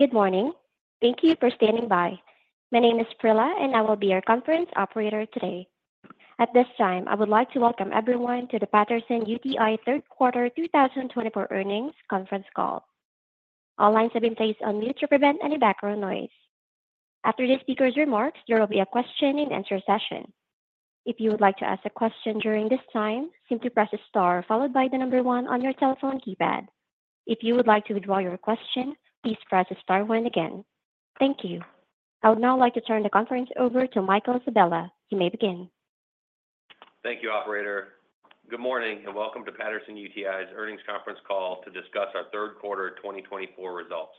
Good morning. Thank you for standing by. My name is Prilla, and I will be your conference operator today. At this time, I would like to welcome everyone to the Patterson-UTI third quarter 2024 earnings conference call. All lines have been placed on mute to prevent any background noise. After the speaker's remarks, there will be a question-and-answer session. If you would like to ask a question during this time, simply press star followed by the number one on your telephone keypad. If you would like to withdraw your question, please press star one again. Thank you. I would now like to turn the conference over to Michael Sabella. You may begin. Thank you, operator. Good morning, and welcome to Patterson-UTI's earnings conference call to discuss our third quarter 2024 results.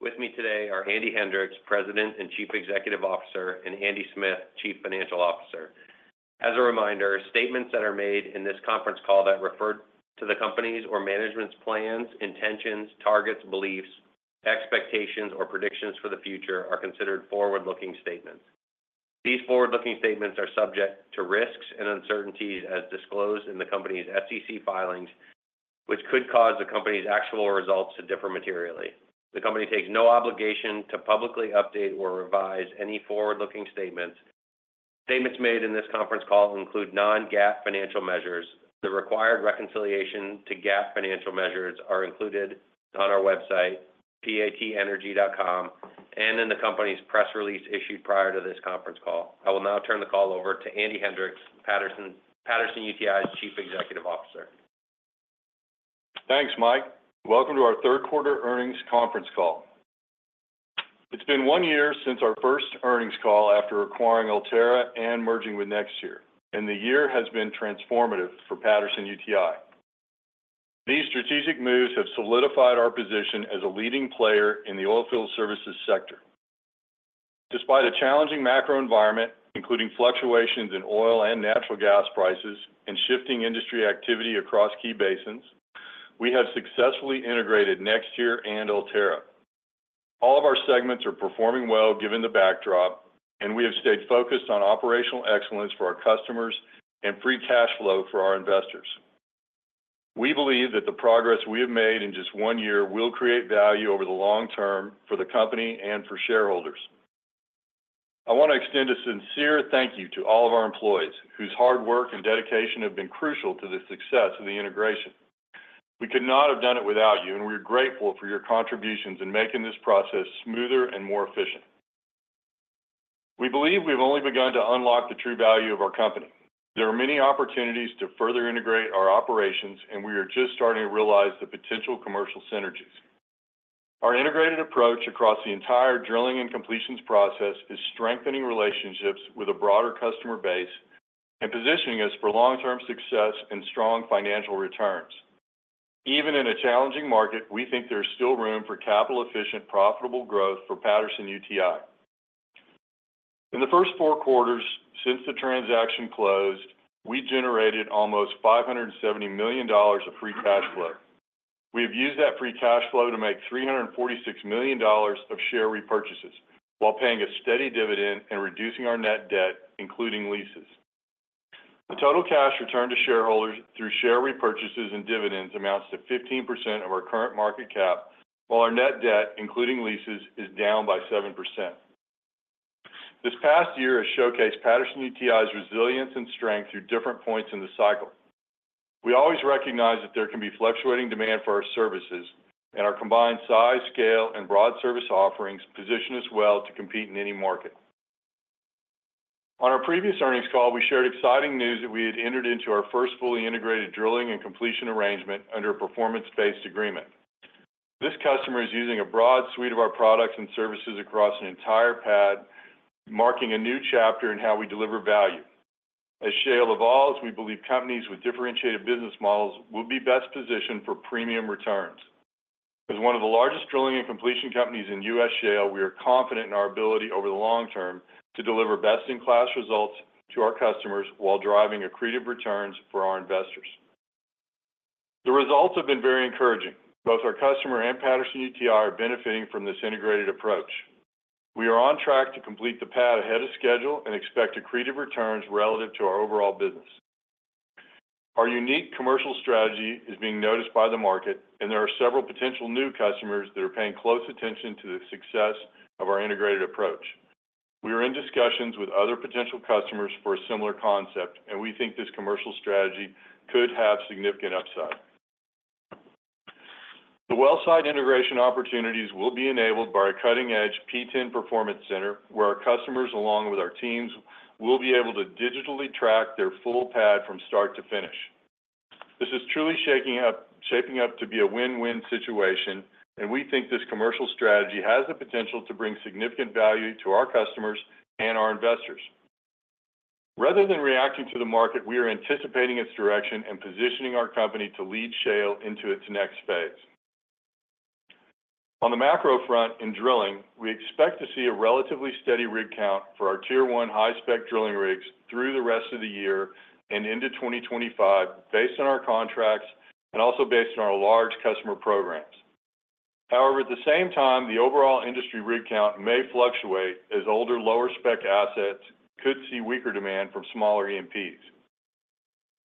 With me today are Andy Hendricks, President and Chief Executive Officer, and Andy Smith, Chief Financial Officer. As a reminder, statements that are made in this conference call that refer to the companies or management's plans, intentions, targets, beliefs, expectations, or predictions for the future are considered forward-looking statements. These forward-looking statements are subject to risks and uncertainties as disclosed in the company's SEC filings, which could cause the company's actual results to differ materially. The company takes no obligation to publicly update or revise any forward-looking statements. Statements made in this conference call include non-GAAP financial measures. The required reconciliation to GAAP financial measures are included on our website, patenergy.com, and in the company's press release issued prior to this conference call. I will now turn the call over to Andy Hendricks, Patterson-UTI's Chief Executive Officer. Thanks, Mike. Welcome to our third quarter earnings conference call. It's been one year since our first earnings call after acquiring Ulterra and merging with NexTier, and the year has been transformative for Patterson-UTI. These strategic moves have solidified our position as a leading player in the oilfield services sector. Despite a challenging macro environment, including fluctuations in oil and natural gas prices and shifting industry activity across key basins, we have successfully integrated NexTier and Ulterra. All of our segments are performing well, given the backdrop, and we have stayed focused on operational excellence for our customers and free cash flow for our investors. We believe that the progress we have made in just one year will create value over the long term for the company and for shareholders. I want to extend a sincere thank you to all of our employees, whose hard work and dedication have been crucial to the success of the integration. We could not have done it without you, and we are grateful for your contributions in making this process smoother and more efficient. We believe we've only begun to unlock the true value of our company. There are many opportunities to further integrate our operations, and we are just starting to realize the potential commercial synergies. Our integrated approach across the entire drilling and completions process is strengthening relationships with a broader customer base and positioning us for long-term success and strong financial returns. Even in a challenging market, we think there's still room for capital-efficient, profitable growth for Patterson-UTI. In the first four quarters since the transaction closed, we generated almost $570 million of free cash flow. We have used that free cash flow to make $346 million of share repurchases while paying a steady dividend and reducing our net debt, including leases. The total cash returned to shareholders through share repurchases and dividends amounts to 15% of our current market cap, while our net debt, including leases, is down by 7%. This past year has showcased Patterson-UTI's resilience and strength through different points in the cycle. We always recognize that there can be fluctuating demand for our services, and our combined size, scale, and broad service offerings position us well to compete in any market. On our previous earnings call, we shared exciting news that we had entered into our first fully integrated drilling and completion arrangement under a performance-based agreement. This customer is using a broad suite of our products and services across an entire pad, marking a new chapter in how we deliver value. As shale evolves, we believe companies with differentiated business models will be best positioned for premium returns. As one of the largest drilling and completion companies in U.S. shale, we are confident in our ability over the long term to deliver best-in-class results to our customers while driving accretive returns for our investors. The results have been very encouraging. Both our customer and Patterson-UTI are benefiting from this integrated approach. We are on track to complete the pad ahead of schedule and expect accretive returns relative to our overall business. Our unique commercial strategy is being noticed by the market, and there are several potential new customers that are paying close attention to the success of our integrated approach. We are in discussions with other potential customers for a similar concept, and we think this commercial strategy could have significant upside. The well site integration opportunities will be enabled by our cutting-edge PTEN Performance Center, where our customers, along with our teams, will be able to digitally track their full pad from start to finish. This is truly shaping up to be a win-win situation, and we think this commercial strategy has the potential to bring significant value to our customers and our investors. Rather than reacting to the market, we are anticipating its direction and positioning our company to lead shale into its next phase. On the macro front in drilling, we expect to see a relatively steady rig count for our Tier 1 high-spec drilling rigs through the rest of the year and into 2025, based on our contracts and also based on our large customer programs. However, at the same time, the overall industry rig count may fluctuate as older, lower-spec assets could see weaker demand from smaller E&Ps.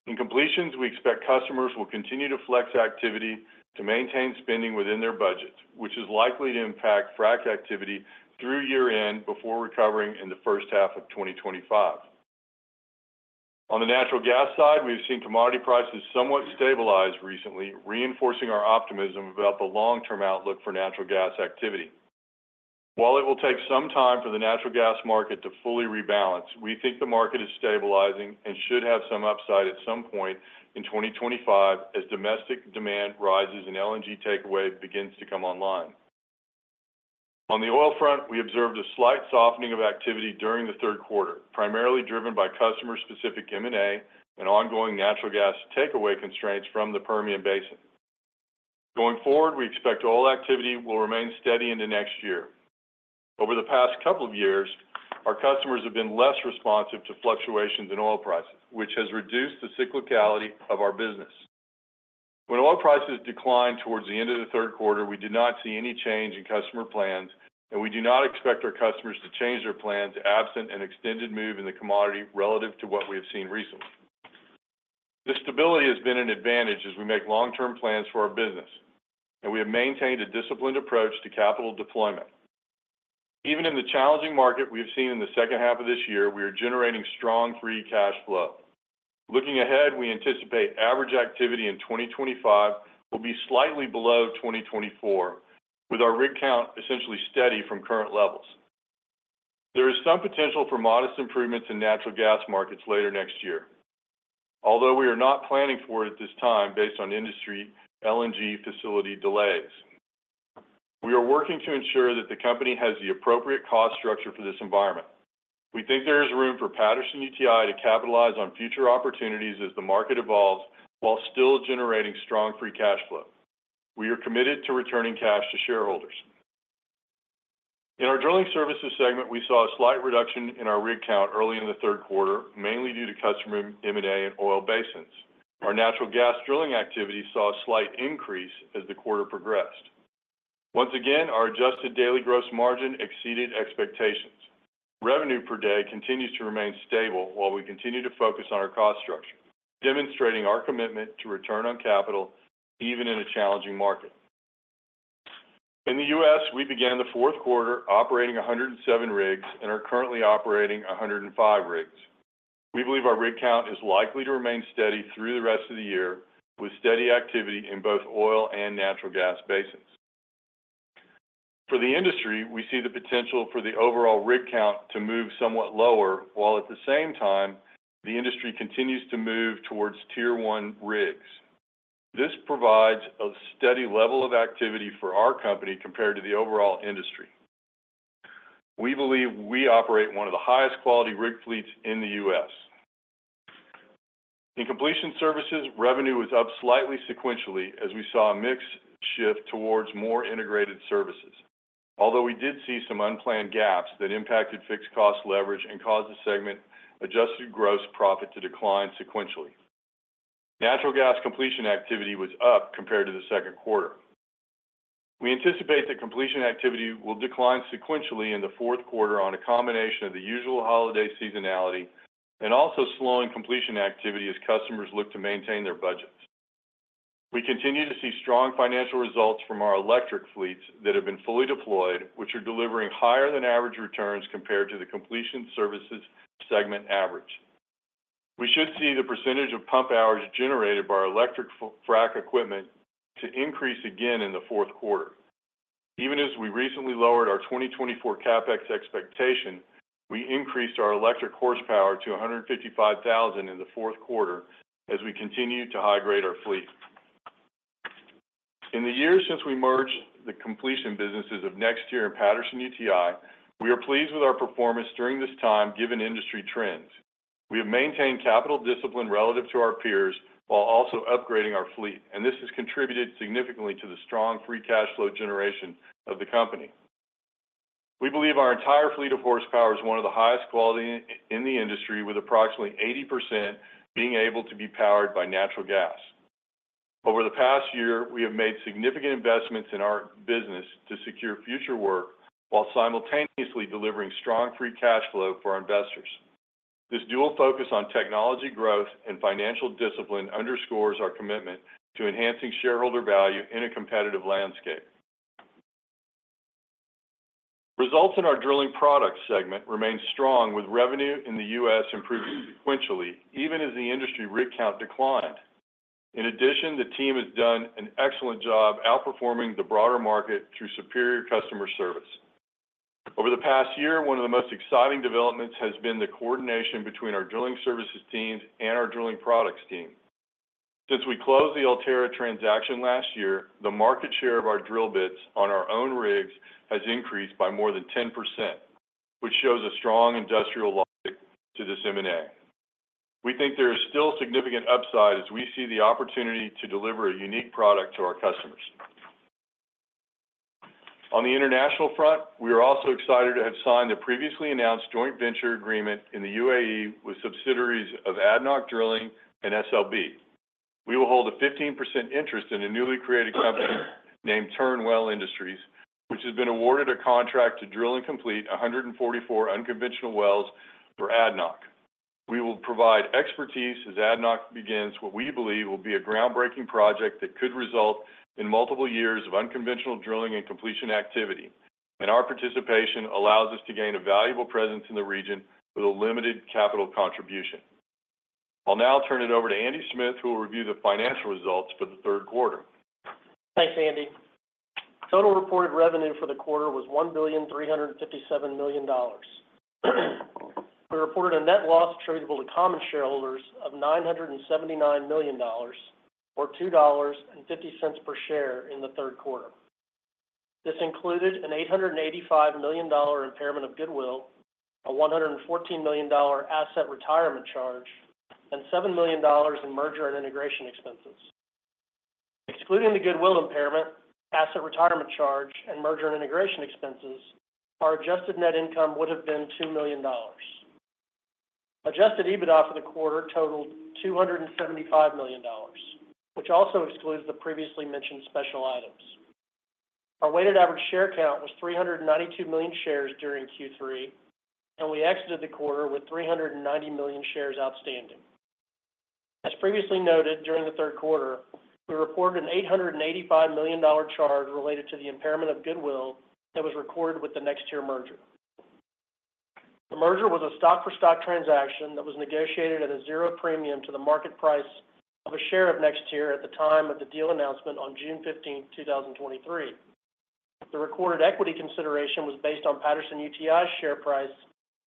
In completions, we expect customers will continue to flex activity to maintain spending within their budgets, which is likely to impact frac activity through year-end before recovering in the first half of 2025. On the natural gas side, we've seen commodity prices somewhat stabilized recently, reinforcing our optimism about the long-term outlook for natural gas activity. While it will take some time for the natural gas market to fully rebalance, we think the market is stabilizing and should have some upside at some point in 2025 as domestic demand rises and LNG takeaway begins to come online. On the oil front, we observed a slight softening of activity during the third quarter, primarily driven by customer-specific M&A and ongoing natural gas takeaway constraints from the Permian Basin. Going forward, we expect oil activity will remain steady into next year. Over the past couple of years, our customers have been less responsive to fluctuations in oil prices, which has reduced the cyclicality of our business. When oil prices declined towards the end of the third quarter, we did not see any change in customer plans, and we do not expect our customers to change their plans absent an extended move in the commodity relative to what we have seen recently. This stability has been an advantage as we make long-term plans for our business, and we have maintained a disciplined approach to capital deployment. Even in the challenging market we've seen in the second half of this year, we are generating strong free cash flow. Looking ahead, we anticipate average activity in 2025 will be slightly below 2024, with our rig count essentially steady from current levels. There is some potential for modest improvements in natural gas markets later next year, although we are not planning for it at this time based on industry LNG facility delays. We are working to ensure that the company has the appropriate cost structure for this environment. We think there is room for Patterson-UTI to capitalize on future opportunities as the market evolves while still generating strong free cash flow. We are committed to returning cash to shareholders. In our drilling services segment, we saw a slight reduction in our rig count early in the third quarter, mainly due to customer M&A and oil basins. Our natural gas drilling activity saw a slight increase as the quarter progressed. Once again, our adjusted daily gross margin exceeded expectations. Revenue per day continues to remain stable while we continue to focus on our cost structure, demonstrating our commitment to return on capital even in a challenging market. In the U.S., we began the fourth quarter operating 107 rigs and are currently operating 105 rigs. We believe our rig count is likely to remain steady through the rest of the year, with steady activity in both oil and natural gas basins. For the industry, we see the potential for the overall rig count to move somewhat lower, while at the same time, the industry continues to move towards Tier 1 rigs. This provides a steady level of activity for our company compared to the overall industry. We believe we operate one of the highest quality rig fleets in the U.S. In completion services, revenue was up slightly sequentially as we saw a mix shift towards more integrated services. Although we did see some unplanned gaps that impacted fixed cost leverage and caused the segment adjusted gross profit to decline sequentially. Natural gas completion activity was up compared to the second quarter. We anticipate that completion activity will decline sequentially in the fourth quarter on a combination of the usual holiday seasonality and also slowing completion activity as customers look to maintain their budgets. We continue to see strong financial results from our electric fleets that have been fully deployed, which are delivering higher than average returns compared to the completion services segment average. We should see the percentage of pump hours generated by our electric frac equipment to increase again in the fourth quarter. Even as we recently lowered our 2024 CapEx expectation, we increased our electric horsepower to 155,000 in the fourth quarter as we continue to high-grade our fleet. In the years since we merged the completion businesses of NexTier and Patterson-UTI, we are pleased with our performance during this time, given industry trends. We have maintained capital discipline relative to our peers while also upgrading our fleet, and this has contributed significantly to the strong free cash flow generation of the company. We believe our entire fleet of horsepower is one of the highest quality in the industry, with approximately 80% being able to be powered by natural gas. Over the past year, we have made significant investments in our business to secure future work while simultaneously delivering strong free cash flow for our investors. This dual focus on technology growth and financial discipline underscores our commitment to enhancing shareholder value in a competitive landscape. Results in our drilling products segment remain strong, with revenue in the U.S. improving sequentially, even as the industry rig count declined. In addition, the team has done an excellent job outperforming the broader market through superior customer service. Over the past year, one of the most exciting developments has been the coordination between our drilling services teams and our drilling products team. Since we closed the Ulterra transaction last year, the market share of our drill bits on our own rigs has increased by more than 10%, which shows a strong industrial logic to this M&A. We think there is still significant upside as we see the opportunity to deliver a unique product to our customers. On the international front, we are also excited to have signed the previously announced joint venture agreement in the UAE with subsidiaries of ADNOC Drilling and SLB. We will hold a 15% interest in a newly created company named Turnwell Industries, which has been awarded a contract to drill and complete 144 unconventional wells for ADNOC. We will provide expertise as ADNOC begins what we believe will be a groundbreaking project that could result in multiple years of unconventional drilling and completion activity. And our participation allows us to gain a valuable presence in the region with a limited capital contribution. I'll now turn it over to Andy Smith, who will review the financial results for the third quarter. Thanks, Andy. Total reported revenue for the quarter was $1.357 billion. We reported a net loss attributable to common shareholders of $979 million, or $2.50 per share in the third quarter. This included an $885 million impairment of goodwill, a $114 million asset retirement charge, and $7 million in merger and integration expenses. Excluding the goodwill impairment, asset retirement charge, and merger and integration expenses, our adjusted net income would have been $2 million. Adjusted EBITDA for the quarter totaled $275 million, which also excludes the previously mentioned special items. Our weighted average share count was 392 million shares during Q3, and we exited the quarter with 390 million shares outstanding. As previously noted, during the third quarter, we reported an $885 million charge related to the impairment of goodwill that was recorded with the NexTier merger. The merger was a stock-for-stock transaction that was negotiated at a zero premium to the market price of a share of NexTier at the time of the deal announcement on June 15, 2023. The recorded equity consideration was based on Patterson-UTI's share price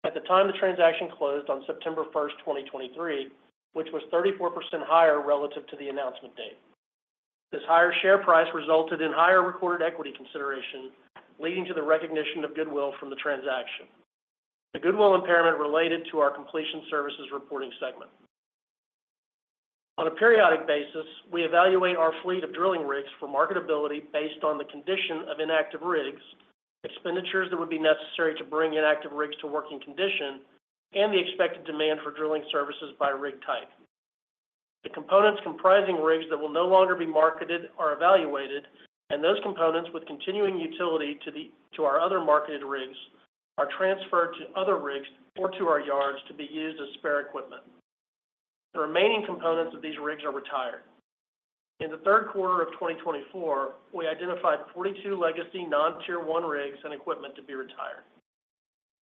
at the time the transaction closed on September 1st, 2023, which was 34% higher relative to the announcement date. This higher share price resulted in higher recorded equity consideration, leading to the recognition of goodwill from the transaction. The goodwill impairment related to our completion services reporting segment. On a periodic basis, we evaluate our fleet of drilling rigs for marketability based on the condition of inactive rigs, expenditures that would be necessary to bring inactive rigs to working condition, and the expected demand for drilling services by rig type. The components comprising rigs that will no longer be marketed are evaluated, and those components with continuing utility to our other marketed rigs are transferred to other rigs or to our yards to be used as spare equipment. The remaining components of these rigs are retired. In the third quarter of 2024, we identified 42 legacy non-Tier 1 rigs and equipment to be retired.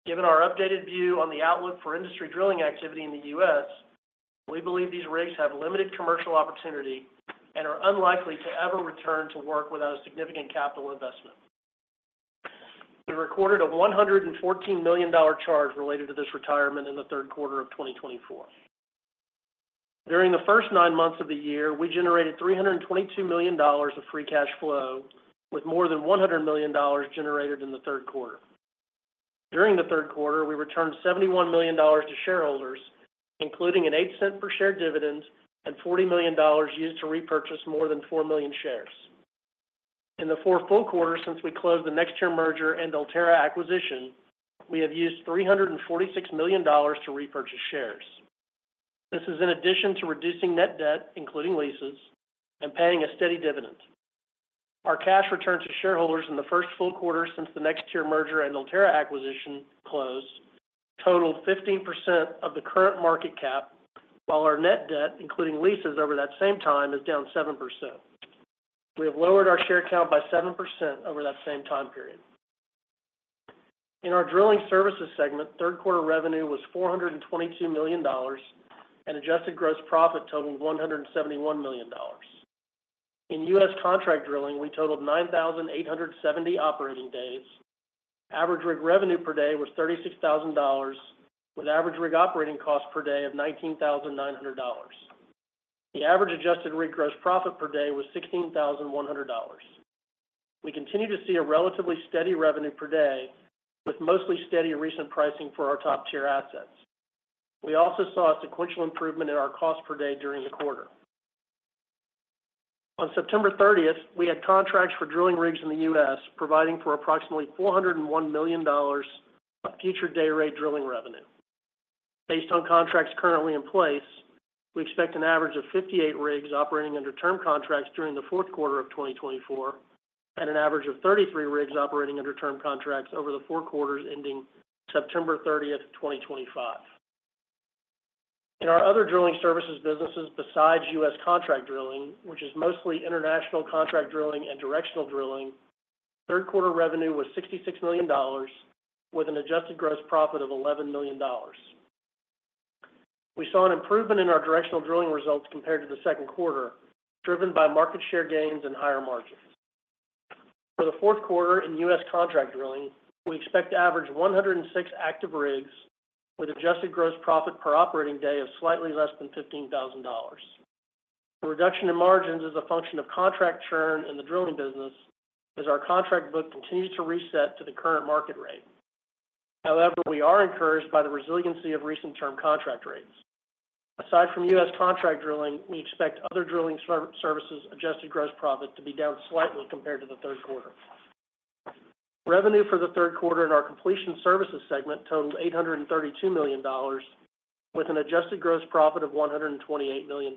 Given our updated view on the outlook for industry drilling activity in the U.S., we believe these rigs have limited commercial opportunity and are unlikely to ever return to work without a significant capital investment. We recorded a $114 million charge related to this retirement in the third quarter of 2024. During the first nine months of the year, we generated $322 million of free cash flow, with more than $100 million generated in the third quarter. During the third quarter, we returned $71 million to shareholders, including an $0.08 per share dividend and $40 million used to repurchase more than 4 million shares. In the four full quarters since we closed the NexTier merger and Ulterra acquisition, we have used $346 million to repurchase shares. This is in addition to reducing net debt, including leases, and paying a steady dividend. Our cash return to shareholders in the first full quarter since the NexTier merger and Ulterra acquisition closed totaled 15% of the current market cap, while our net debt, including leases over that same time, is down 7%. We have lowered our share count by 7% over that same time period. In our drilling services segment, third quarter revenue was $422 million, and adjusted gross profit totaled $171 million. In U.S. contract drilling, we totaled 9,870 operating days. Average rig revenue per day was $36,000, with average rig operating cost per day of $19,900. The average adjusted rig gross profit per day was $16,100. We continue to see a relatively steady revenue per day, with mostly steady recent pricing for our top-tier assets. We also saw a sequential improvement in our cost per day during the quarter. On September 30th, we had contracts for drilling rigs in the U.S., providing for approximately $401 million of future day rate drilling revenue. Based on contracts currently in place, we expect an average of 58 rigs operating under term contracts during the fourth quarter of 2024, and an average of 33 rigs operating under term contracts over the four quarters ending September 30th, 2025. In our other drilling services businesses besides U.S. contract drilling, which is mostly international contract drilling and directional drilling, third quarter revenue was $66 million, with an adjusted gross profit of $11 million. We saw an improvement in our directional drilling results compared to the second quarter, driven by market share gains and higher margins. For the fourth quarter in U.S. contract drilling, we expect to average 106 active rigs with adjusted gross profit per operating day of slightly less than $15,000. The reduction in margins is a function of contract churn in the drilling business, as our contract book continues to reset to the current market rate. However, we are encouraged by the resiliency of recent term contract rates. Aside from U.S. contract drilling, we expect other drilling services adjusted gross profit to be down slightly compared to the third quarter. Revenue for the third quarter in our completion services segment totaled $832 million, with an adjusted gross profit of $128 million.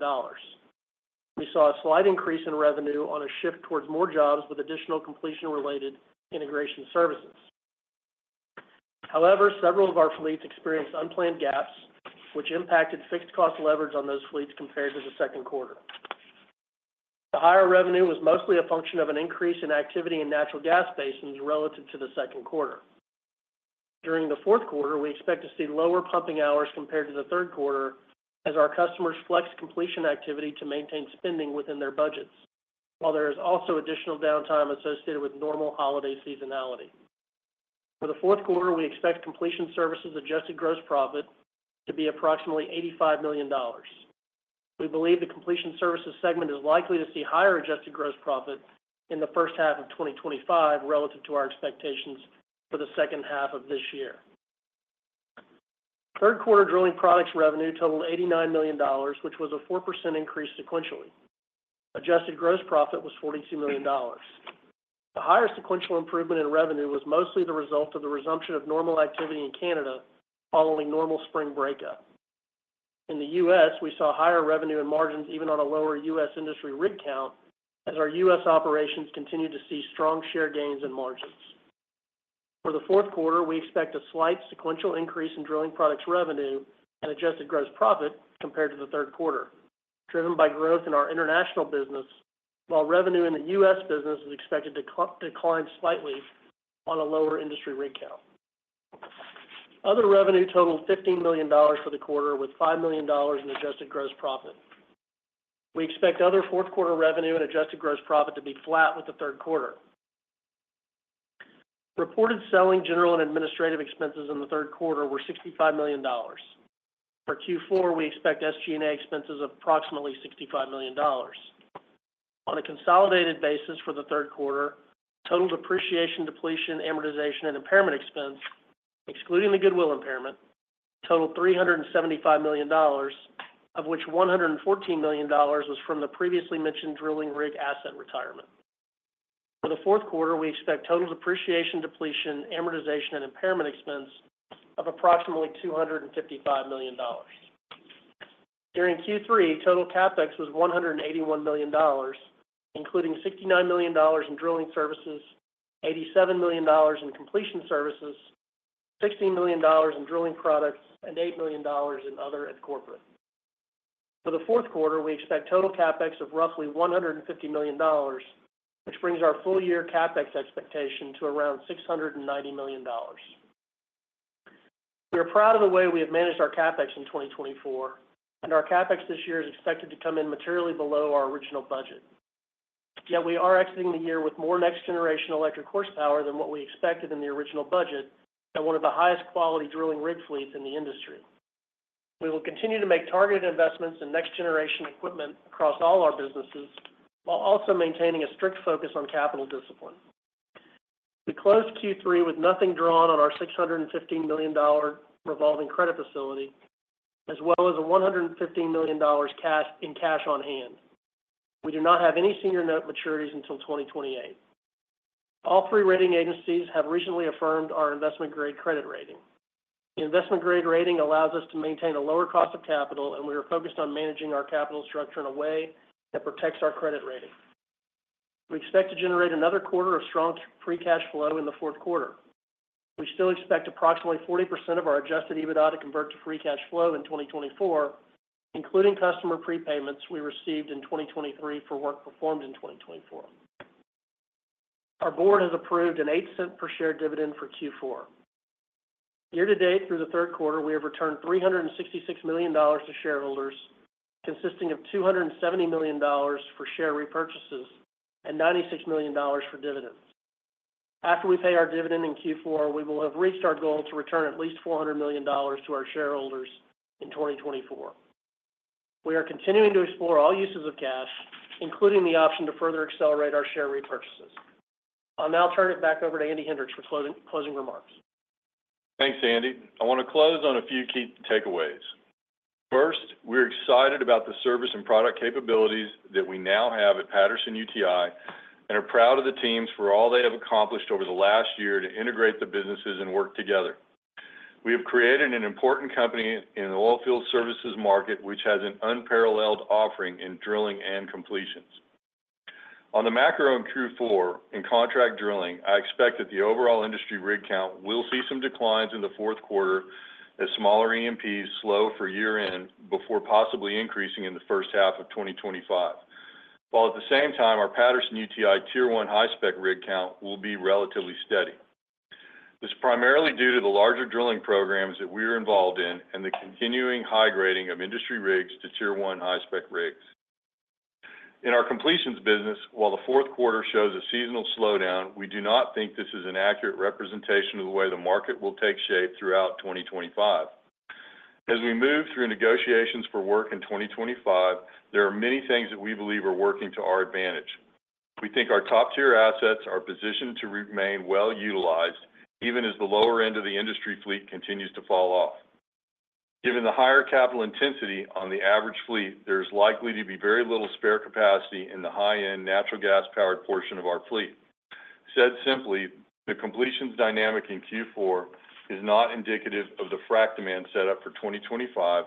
We saw a slight increase in revenue on a shift towards more jobs with additional completion-related integration services. However, several of our fleets experienced unplanned gaps, which impacted fixed cost leverage on those fleets compared to the second quarter. The higher revenue was mostly a function of an increase in activity in natural gas basins relative to the second quarter. During the fourth quarter, we expect to see lower pumping hours compared to the third quarter as our customers flex completion activity to maintain spending within their budgets, while there is also additional downtime associated with normal holiday seasonality. For the fourth quarter, we expect completion services adjusted gross profit to be approximately $85 million. We believe the completion services segment is likely to see higher adjusted gross profit in the first half of 2025 relative to our expectations for the second half of this year. Third quarter drilling products revenue totaled $89 million, which was a 4% increase sequentially. Adjusted gross profit was $42 million. The higher sequential improvement in revenue was mostly the result of the resumption of normal activity in Canada following normal spring breakup. In the U.S., we saw higher revenue and margins even on a lower U.S. industry rig count, as our U.S. operations continued to see strong share gains and margins. For the fourth quarter, we expect a slight sequential increase in drilling products revenue and adjusted gross profit compared to the third quarter, driven by growth in our international business, while revenue in the U.S. business is expected to decline slightly on a lower industry rig count. Other revenue totaled $15 million for the quarter, with $5 million in adjusted gross profit. We expect other fourth quarter revenue and adjusted gross profit to be flat with the third quarter. Reported selling, general, and administrative expenses in the third quarter were $65 million. For Q4, we expect SG&A expenses of approximately $65 million. On a consolidated basis for the third quarter, total depreciation, depletion, amortization, and impairment expense, excluding the goodwill impairment, totaled $375 million, of which $114 million was from the previously mentioned drilling rig asset retirement. For the fourth quarter, we expect total depreciation, depletion, amortization, and impairment expense of approximately $255 million. During Q3, total CapEx was $181 million, including $69 million in drilling services, $87 million in completion services, $16 million in drilling products, and $8 million in other and corporate. For the fourth quarter, we expect total CapEx of roughly $150 million, which brings our full year CapEx expectation to around $690 million. We are proud of the way we have managed our CapEx in 2024, and our CapEx this year is expected to come in materially below our original budget. Yet we are exiting the year with more next-generation electric horsepower than what we expected in the original budget and one of the highest quality drilling rig fleets in the industry. We will continue to make targeted investments in next-generation equipment across all our businesses, while also maintaining a strict focus on capital discipline. We closed Q3 with nothing drawn on our $615 million revolving credit facility, as well as $115 million in cash on hand. We do not have any senior note maturities until 2028. All three rating agencies have recently affirmed our investment-grade credit rating. The investment-grade rating allows us to maintain a lower cost of capital, and we are focused on managing our capital structure in a way that protects our credit rating. We expect to generate another quarter of strong Free Cash Flow in the fourth quarter. We still expect approximately 40% of our Adjusted EBITDA to convert to Free Cash Flow in 2024, including customer prepayments we received in 2023 for work performed in 2024. Our board has approved an $0.08 per share dividend for Q4. Year to date, through the third quarter, we have returned $366 million to shareholders, consisting of $270 million for share repurchases and $96 million for dividends. After we pay our dividend in Q4, we will have reached our goal to return at least $400 million to our shareholders in 2024. We are continuing to explore all uses of cash, including the option to further accelerate our share repurchases. I'll now turn it back over to Andy Hendricks for closing remarks. Thanks, Andy. I want to close on a few key takeaways. First, we're excited about the service and product capabilities that we now have at Patterson-UTI and are proud of the teams for all they have accomplished over the last year to integrate the businesses and work together. We have created an important company in the oilfield services market, which has an unparalleled offering in drilling and completions. On the macro in Q4, in contract drilling, I expect that the overall industry rig count will see some declines in the fourth quarter as smaller E&Ps slow for year-end, before possibly increasing in the first half of 2025. While at the same time, our Patterson-UTI Tier 1 high-spec rig count will be relatively steady. This is primarily due to the larger drilling programs that we are involved in and the continuing high grading of industry rigs to Tier 1 high-spec rigs. In our completions business, while the fourth quarter shows a seasonal slowdown, we do not think this is an accurate representation of the way the market will take shape throughout 2025. As we move through negotiations for work in 2025, there are many things that we believe are working to our advantage. We think our top-tier assets are positioned to remain well-utilized, even as the lower end of the industry fleet continues to fall off. Given the higher capital intensity on the average fleet, there's likely to be very little spare capacity in the high-end natural gas-powered portion of our fleet. Said simply, the completions dynamic in Q4 is not indicative of the frac demand set up for 2025,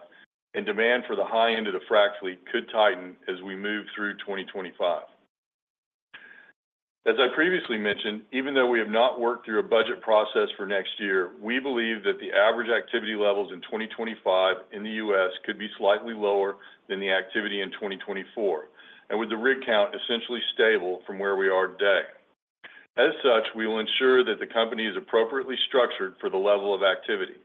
and demand for the high end of the frac fleet could tighten as we move through 2025. As I previously mentioned, even though we have not worked through a budget process for next year, we believe that the average activity levels in 2025 in the U.S. could be slightly lower than the activity in 2024, and with the rig count essentially stable from where we are today. As such, we will ensure that the company is appropriately structured for the level of activity.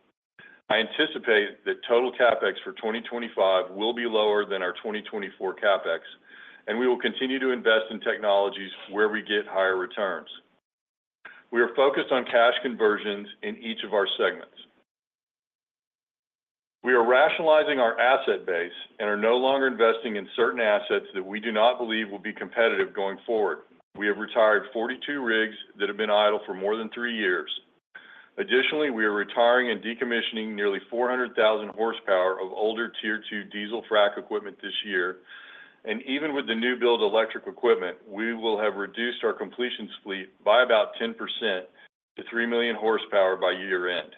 I anticipate that total CapEx for 2025 will be lower than our 2024 CapEx, and we will continue to invest in technologies where we get higher returns. We are focused on cash conversions in each of our segments. We are rationalizing our asset base and are no longer investing in certain assets that we do not believe will be competitive going forward. We have retired 42 rigs that have been idle for more than three years. Additionally, we are retiring and decommissioning nearly 400,000 horsepower of older Tier 2 diesel frac equipment this year, and even with the new-build electric equipment, we will have reduced our completions fleet by about 10% to 3 million horsepower by year-end.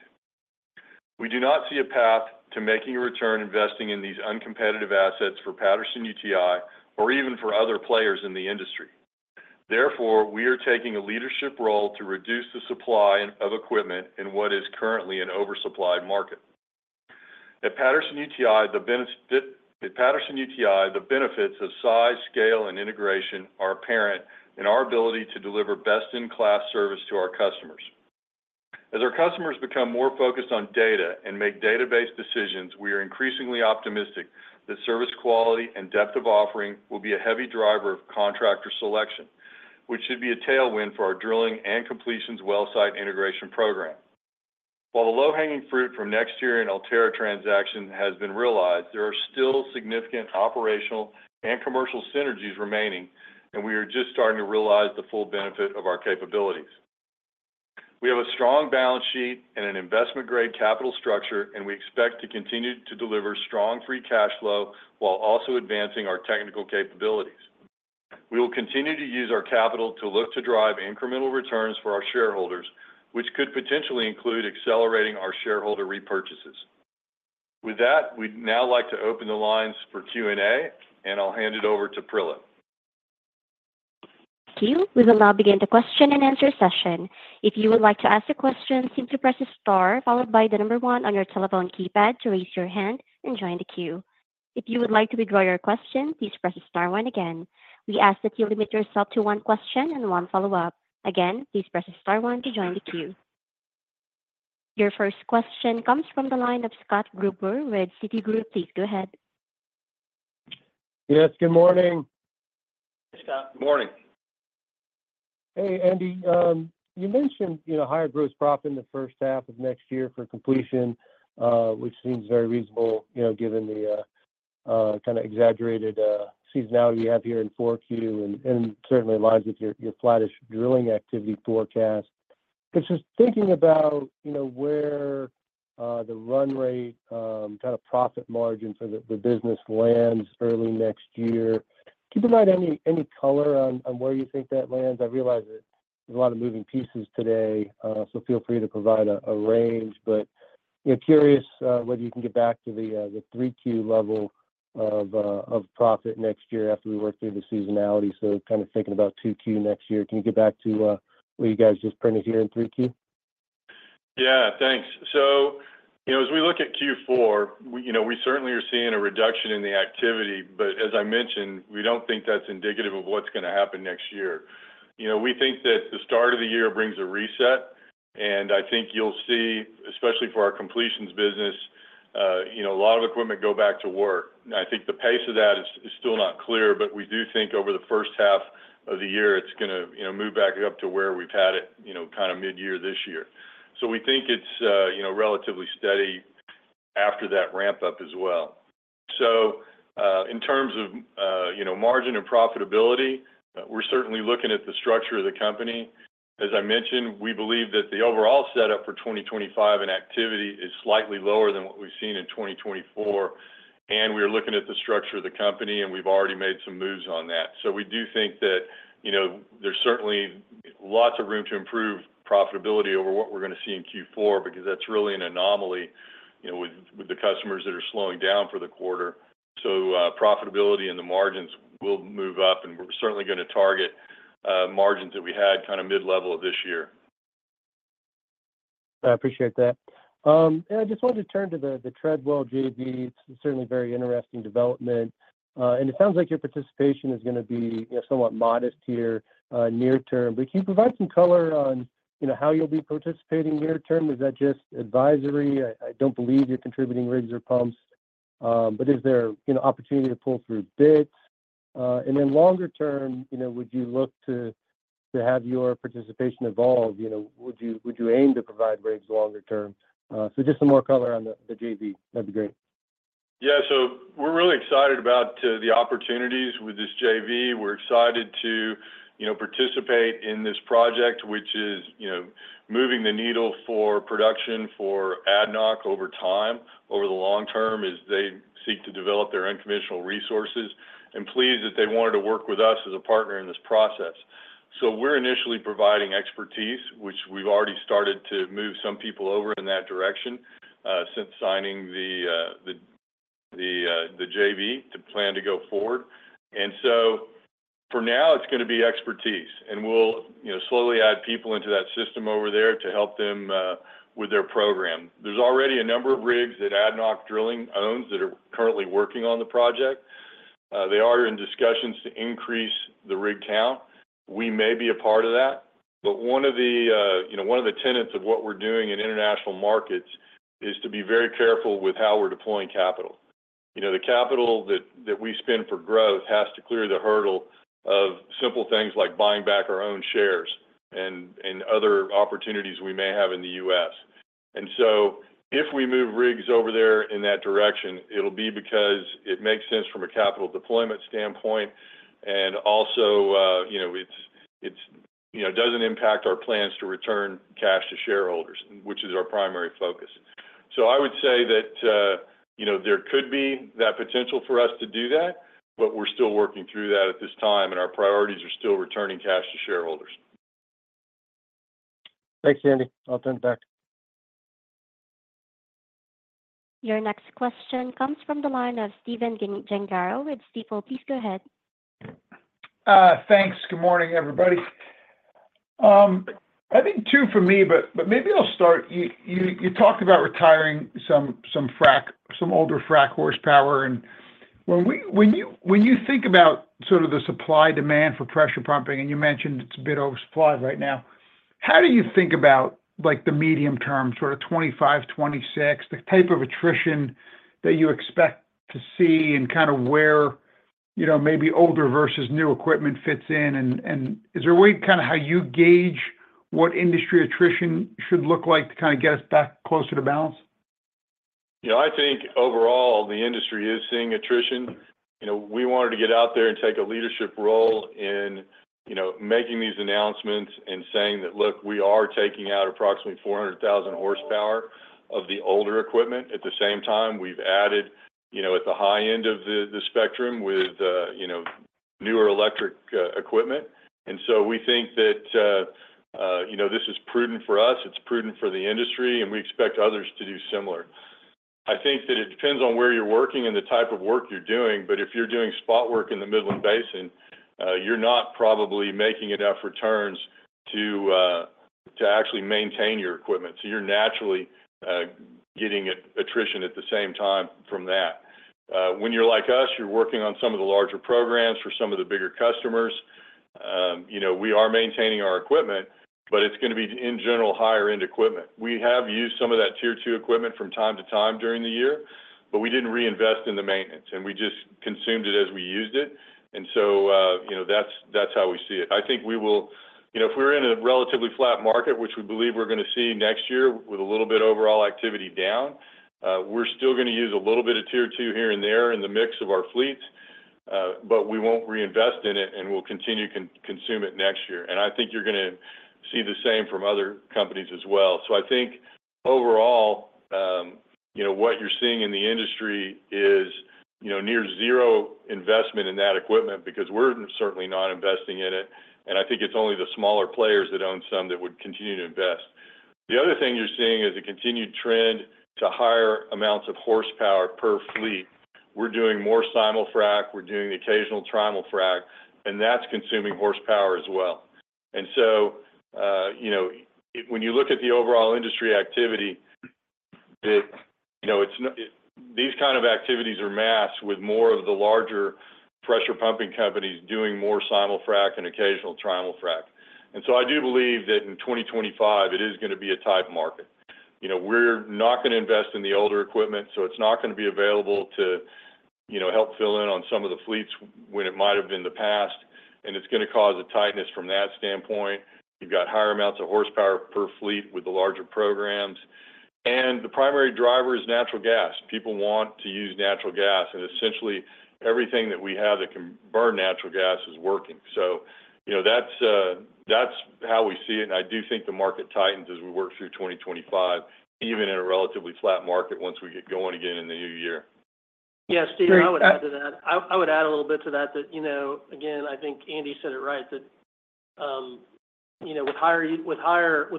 We do not see a path to making a return investing in these uncompetitive assets for Patterson-UTI or even for other players in the industry. Therefore, we are taking a leadership role to reduce the supply of equipment in what is currently an oversupplied market. At Patterson-UTI, the benefits of size, scale, and integration are apparent in our ability to deliver best-in-class service to our customers. As our customers become more focused on data and make data-based decisions, we are increasingly optimistic that service quality and depth of offering will be a heavy driver of contractor selection, which should be a tailwind for our drilling and completions well site integration program. While the low-hanging fruit from NexTier and Ulterra transaction has been realized, there are still significant operational and commercial synergies remaining, and we are just starting to realize the full benefit of our capabilities. We have a strong balance sheet and an investment-grade capital structure, and we expect to continue to deliver strong free cash flow while also advancing our technical capabilities. We will continue to use our capital to look to drive incremental returns for our shareholders, which could potentially include accelerating our shareholder repurchases. With that, we'd now like to open the lines for Q&A, and I'll hand it over to Prilla. Thank you. We will now begin the question and answer session. If you would like to ask a question, simply press star, followed by the number one on your telephone keypad to raise your hand and join the queue. If you would like to withdraw your question, please press star one again. We ask that you limit yourself to one question and one follow-up. Again, please press star one to join the queue. Your first question comes from the line of Scott Gruber with Citigroup. Please go ahead. Yes, good morning. Good morning. Hey, Andy, you mentioned, you know, higher gross profit in the first half of next year for completion, which seems very reasonable, you know, given the kind of exaggerated seasonality you have here in Q4, and certainly aligns with your flattish drilling activity forecast. But just thinking about, you know, where the run rate kind of profit margins of the business lands early next year, keep in mind, any color on where you think that lands? I realize that there's a lot of moving pieces today, so feel free to provide a range. But we're curious whether you can get back to the Q3 level of profit next year after we work through the seasonality. Kind of thinking about Q2 next year, can you get back to what you guys just printed here in Q3? Yeah, thanks. So, you know, as we look at Q4, we, you know, we certainly are seeing a reduction in the activity, but as I mentioned, we don't think that's indicative of what's gonna happen next year. You know, we think that the start of the year brings a reset, and I think you'll see, especially for our completions business, you know, a lot of equipment go back to work. I think the pace of that is, is still not clear, but we do think over the first half of the year, it's gonna, you know, move back up to where we've had it, you know, kind of mid-year this year. So we think it's, you know, relatively steady after that ramp up as well. So, in terms of, you know, margin and profitability, we're certainly looking at the structure of the company. As I mentioned, we believe that the overall setup for 2025 and activity is slightly lower than what we've seen in 2024, and we are looking at the structure of the company, and we've already made some moves on that. So we do think that, you know, there's certainly lots of room to improve profitability over what we're gonna see in Q4, because that's really an anomaly, you know, with the customers that are slowing down for the quarter. So, profitability and the margins will move up, and we're certainly gonna target, margins that we had kind of mid-level of this year. I appreciate that. And I just wanted to turn to the Turnwell JV. It's certainly a very interesting development. And it sounds like your participation is gonna be, you know, somewhat modest here, near term. But can you provide some color on, you know, how you'll be participating near term? Is that just advisory? I, I don't believe you're contributing rigs or pumps, but is there, you know, opportunity to pull through bits? And then longer term, you know, would you look to, to have your participation involved? You know, would you, would you aim to provide rigs longer term? So just some more color on the, the JV, that'd be great. Yeah, so we're really excited about, the opportunities with this JV. We're excited to, you know, participate in this project, which is, you know, moving the needle for production for ADNOC over time, over the long term, as they seek to develop their unconventional resources, and pleased that they wanted to work with us as a partner in this process. So we're initially providing expertise, which we've already started to move some people over in that direction, since signing the JV to plan to go forward. And so for now, it's gonna be expertise, and we'll, you know, slowly add people into that system over there to help them, with their program. There's already a number of rigs that ADNOC Drilling owns that are currently working on the project. They are in discussions to increase the rig count. We may be a part of that, but one of the, you know, one of the tenets of what we're doing in international markets is to be very careful with how we're deploying capital. You know, the capital that we spend for growth has to clear the hurdle of simple things like buying back our own shares and other opportunities we may have in the U.S. And so if we move rigs over there in that direction, it'll be because it makes sense from a capital deployment standpoint, and also, you know, it doesn't impact our plans to return cash to shareholders, which is our primary focus. So I would say that, you know, there could be that potential for us to do that, but we're still working through that at this time, and our priorities are still returning cash to shareholders. Thanks, Andy. I'll turn it back. Your next question comes from the line of Stephen Gengaro with Stifel, please go ahead. Thanks. Good morning, everybody. I think two for me, but maybe I'll start. You talked about retiring some older frac horsepower, and when you think about sort of the supply-demand for pressure pumping, and you mentioned it's a bit oversupplied right now, how do you think about, like, the medium term, sort of 2025, 2026, the type of attrition that you expect to see and kinda where, you know, maybe older versus new equipment fits in? And is there a way, kinda how you gauge what industry attrition should look like to kinda get us back closer to balance? Yeah, I think overall, the industry is seeing attrition. You know, we wanted to get out there and take a leadership role in, you know, making these announcements and saying that, "Look, we are taking out approximately four hundred thousand horsepower of the older equipment." At the same time, we've added, you know, at the high end of the spectrum with, you know, newer electric equipment. And so we think that, you know, this is prudent for us, it's prudent for the industry, and we expect others to do similar. I think that it depends on where you're working and the type of work you're doing, but if you're doing spot work in the Midland Basin, you're not probably making enough returns to actually maintain your equipment, so you're naturally getting attrition at the same time from that. When you're like us, you're working on some of the larger programs for some of the bigger customers, you know, we are maintaining our equipment, but it's gonna be, in general, higher-end equipment. We have used some of that Tier 2 equipment from time to time during the year, but we didn't reinvest in the maintenance, and we just consumed it as we used it, and so, you know, that's, that's how we see it. I think we will. You know, if we're in a relatively flat market, which we believe we're gonna see next year with a little bit overall activity down, we're still gonna use a little bit of Tier 2 here and there in the mix of our fleets, but we won't reinvest in it, and we'll continue consume it next year. I think you're gonna see the same from other companies as well. I think overall, you know, what you're seeing in the industry is, you know, near zero investment in that equipment because we're certainly not investing in it, and I think it's only the smaller players that own some that would continue to invest. The other thing you're seeing is a continued trend to higher amounts of horsepower per fleet. We're doing more Simul-Frac, we're doing the occasional Trimul-Frac, and that's consuming horsepower as well. You know, when you look at the overall industry activity, these kind of activities are masked with more of the larger pressure pumping companies doing more Simul-Frac and occasional Trimul-Frac. I do believe that in 2025, it is gonna be a tight market. You know, we're not gonna invest in the older equipment, so it's not gonna be available to, you know, help fill in on some of the fleets when it might have in the past, and it's gonna cause a tightness from that standpoint. You've got higher amounts of horsepower per fleet with the larger programs, and the primary driver is natural gas. People want to use natural gas, and essentially, everything that we have that can burn natural gas is working. So, you know, that's, that's how we see it, and I do think the market tightens as we work through 2025, even in a relatively flat market, once we get going again in the new year. Yeah, Steve, I would add to that. I would add a little bit to that, you know, again, I think Andy said it right, that, you know, with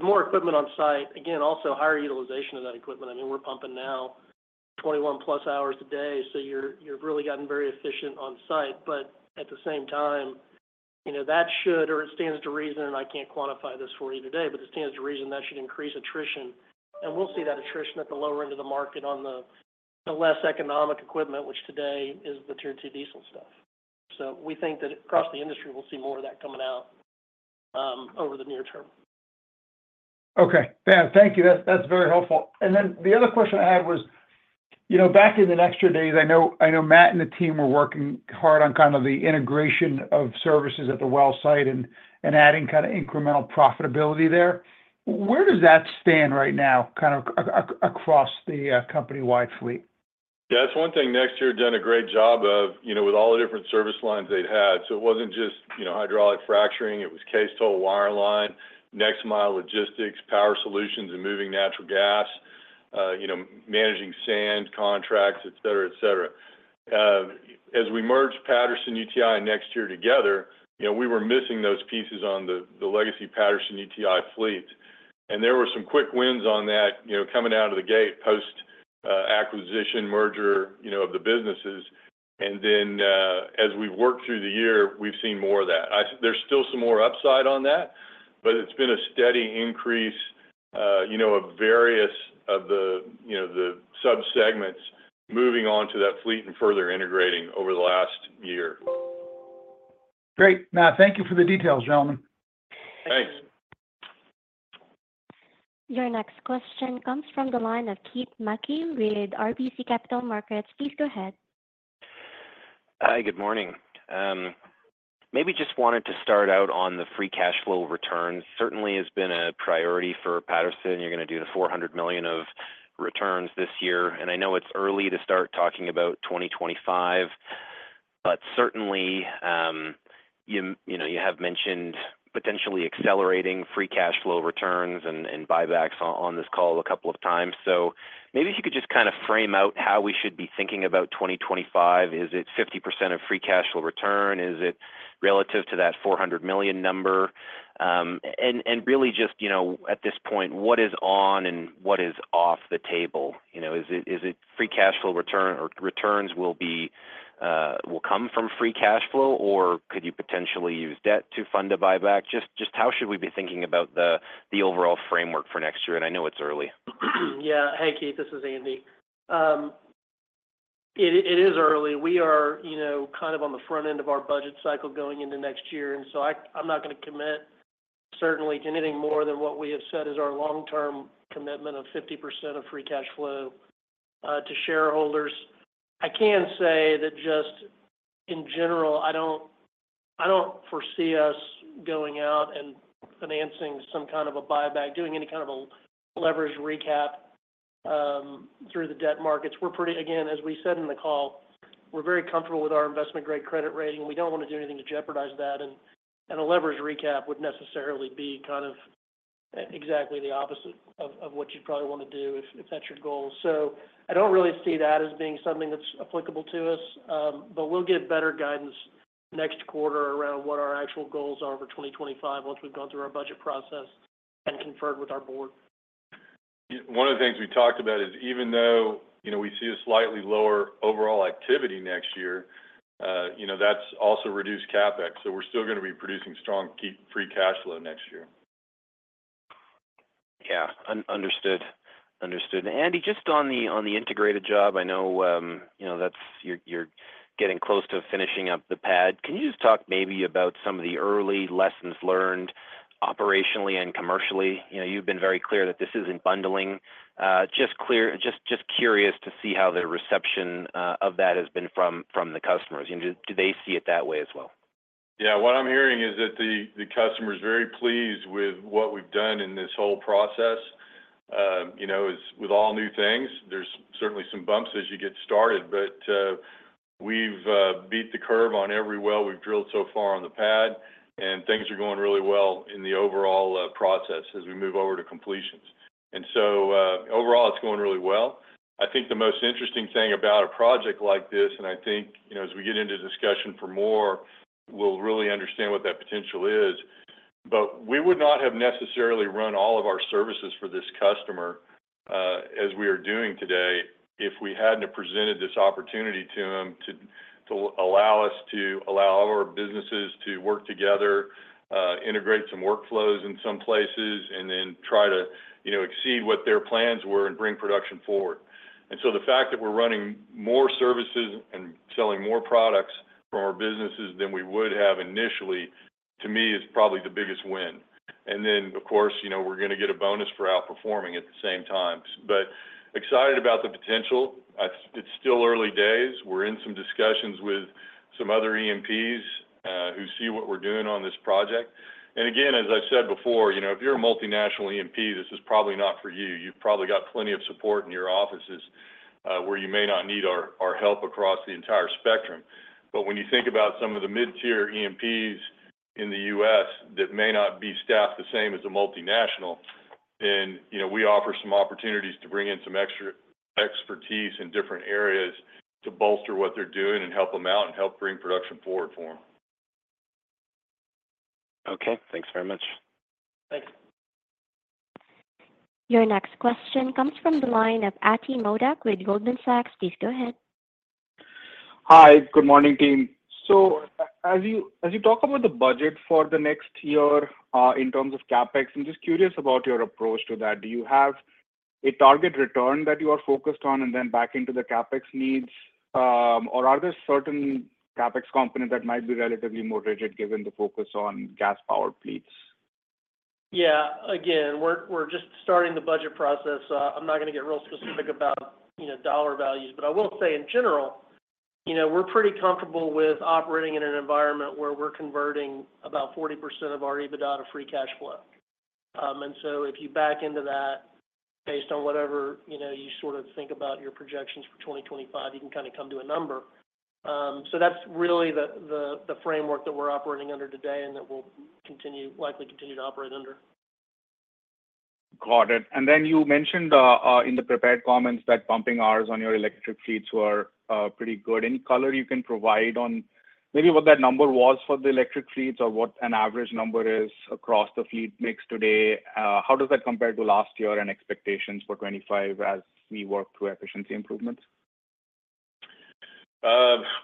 more equipment on site, again, also higher utilization of that equipment. I mean, we're pumping now 21+ hours a day, so you've really gotten very efficient on site. But at the same time, you know, that should, or it stands to reason, and I can't quantify this for you today, but it stands to reason that should increase attrition. And we'll see that attrition at the lower end of the market on the less economic equipment, which today is the Tier 2 diesel stuff. So we think that across the industry, we'll see more of that coming out over the near term. Okay, Ben, thank you. That's very helpful. And then the other question I had was, you know, back in the NexTier days, I know Matt and the team were working hard on kind of the integration of services at the well site and adding kinda incremental profitability there. Where does that stand right now, kind of across the company-wide fleet? Yeah, that's one thing NexTier had done a great job of, you know, with all the different service lines they'd had. So it wasn't just, you know, hydraulic fracturing, it was cased-hole wireline, NextMile logistics, Power Solutions, and moving natural gas, you know, managing sand contracts, et cetera, et cetera. As we merged Patterson-UTI and NexTier together, you know, we were missing those pieces on the, the legacy Patterson-UTI fleet. And there were some quick wins on that, you know, coming out of the gate, post, acquisition, merger, you know, of the businesses. And then, as we've worked through the year, we've seen more of that. There's still some more upside on that, but it's been a steady increase, you know, of various of the, you know, the subsegments moving on to that fleet and further integrating over the last year. Great. Thank you for the details, gentlemen. Thanks. Your next question comes from the line of Keith Mackey with RBC Capital Markets. Please go ahead. Hi, good morning. Maybe just wanted to start out on the free cash flow return. Certainly, it's been a priority for Patterson. You're gonna do the $400 million of returns this year, and I know it's early to start talking about 2025, but certainly, you know, you have mentioned potentially accelerating free cash flow returns and buybacks on this call a couple of times. So maybe if you could just kind of frame out how we should be thinking about 2025. Is it 50% of free cash flow return? Is it relative to that $400 million number? And really just, you know, at this point, what is on and what is off the table? You know, is it free cash flow return or returns will come from free cash flow, or could you potentially use debt to fund a buyback? Just how should we be thinking about the overall framework for next year, and I know it's early. Yeah. Hey, Keith, this is Andy. It is early. We are, you know, kind of on the front end of our budget cycle going into next year, and so I'm not gonna commit certainly to anything more than what we have said is our long-term commitment of 50% of free cash flow to shareholders. I can say that just in general, I don't foresee us going out and financing some kind of a buyback, doing any kind of a leverage recap through the debt markets. We're pretty, again, as we said in the call, we're very comfortable with our investment-grade credit rating, and we don't want to do anything to jeopardize that. And a leverage recap would necessarily be kind of exactly the opposite of what you'd probably want to do if that's your goal. I don't really see that as being something that's applicable to us, but we'll give better guidance next quarter around what our actual goals are for 2025 once we've gone through our budget process and conferred with our board. One of the things we talked about is, even though, you know, we see a slightly lower overall activity next year, you know, that's also reduced CapEx, so we're still gonna be producing strong key free cash flow next year. Yeah. Understood. Andy, just on the integrated job, I know, you know, that you're getting close to finishing up the pad. Can you just talk maybe about some of the early lessons learned operationally and commercially? You know, you've been very clear that this isn't bundling. Just curious to see how the reception of that has been from the customers. You know, do they see it that way as well? Yeah. What I'm hearing is that the customer is very pleased with what we've done in this whole process. You know, as with all new things, there's certainly some bumps as you get started, but we've beat the curve on every well we've drilled so far on the pad, and things are going really well in the overall process as we move over to completions, and so overall, it's going really well. I think the most interesting thing about a project like this, and I think, you know, as we get into discussion for more, we'll really understand what that potential is, but we would not have necessarily run all of our services for this customer as we are doing today, if we hadn't have presented this opportunity to them to allow us to allow our businesses to work together, integrate some workflows in some places, and then try to, you know, exceed what their plans were and bring production forward. And so the fact that we're running more services and selling more products from our businesses than we would have initially, to me, is probably the biggest win. And then, of course, you know, we're gonna get a bonus for outperforming at the same time, but excited about the potential. It's still early days. We're in some discussions with some other E&Ps who see what we're doing on this project. And again, as I said before, you know, if you're a multinational E&P, this is probably not for you. You've probably got plenty of support in your offices where you may not need our help across the entire spectrum. But when you think about some of the mid-tier E&Ps in the U.S. that may not be staffed the same as a multinational, then, you know, we offer some opportunities to bring in some extra expertise in different areas to bolster what they're doing and help them out and help bring production forward for them. Okay. Thanks very much. Thanks. Your next question comes from the line of Atidrip Modak with Goldman Sachs. Please go ahead. Hi, good morning, team. So as you talk about the budget for the next year, in terms of CapEx, I'm just curious about your approach to that. Do you have a target return that you are focused on, and then back into the CapEx needs, or are there certain CapEx components that might be relatively more rigid given the focus on gas-powered fleets? Yeah. Again, we're just starting the budget process. I'm not gonna get real specific about, you know, dollar values. But I will say in general. You know, we're pretty comfortable with operating in an environment where we're converting about 40% of our EBITDA to free cash flow. And so if you back into that based on whatever, you know, you sort of think about your projections for 2025, you can kind of come to a number. So that's really the framework that we're operating under today, and that we'll continue likely to operate under. Got it. And then you mentioned in the prepared comments that pumping hours on your electric fleets were pretty good. Any color you can provide on maybe what that number was for the electric fleets or what an average number is across the fleet mix today? How does that compare to last year and expectations for 2025 as we work through efficiency improvements?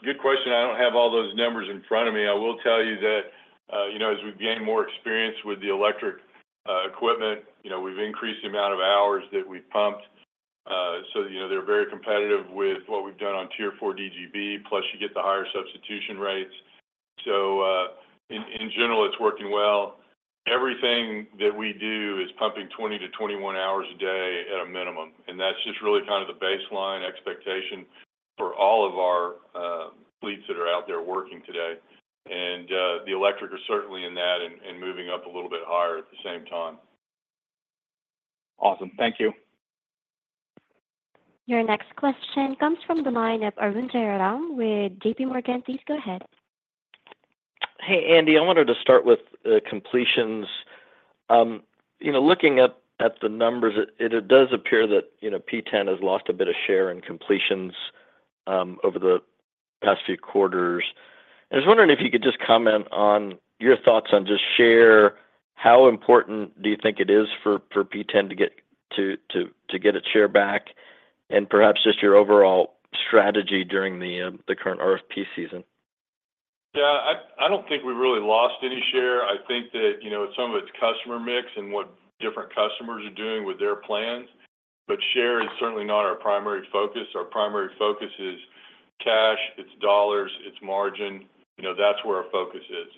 Good question. I don't have all those numbers in front of me. I will tell you that, you know, as we gain more experience with the electric, equipment, you know, we've increased the amount of hours that we've pumped. So, you know, they're very competitive with what we've done on Tier 4 DGB, plus you get the higher substitution rates. So, in general, it's working well. Everything that we do is pumping 20 hours-21 hours a day at a minimum, and that's just really kind of the baseline expectation for all of our, fleets that are out there working today. The electric are certainly in that and, moving up a little bit higher at the same time. Awesome. Thank you. Your next question comes from the line of Arun Jayaram with JPMorgan. Please go ahead. Hey, Andy, I wanted to start with completions. You know, looking at the numbers, it does appear that, you know, PTEN has lost a bit of share in completions over the past few quarters. I was wondering if you could just comment on your thoughts on just share. How important do you think it is for PTEN to get its share back? And perhaps just your overall strategy during the current RFP season. Yeah, I don't think we really lost any share. I think that, you know, some of it's customer mix and what different customers are doing with their plans, but share is certainly not our primary focus. Our primary focus is cash, it's dollars, it's margin, you know, that's where our focus is.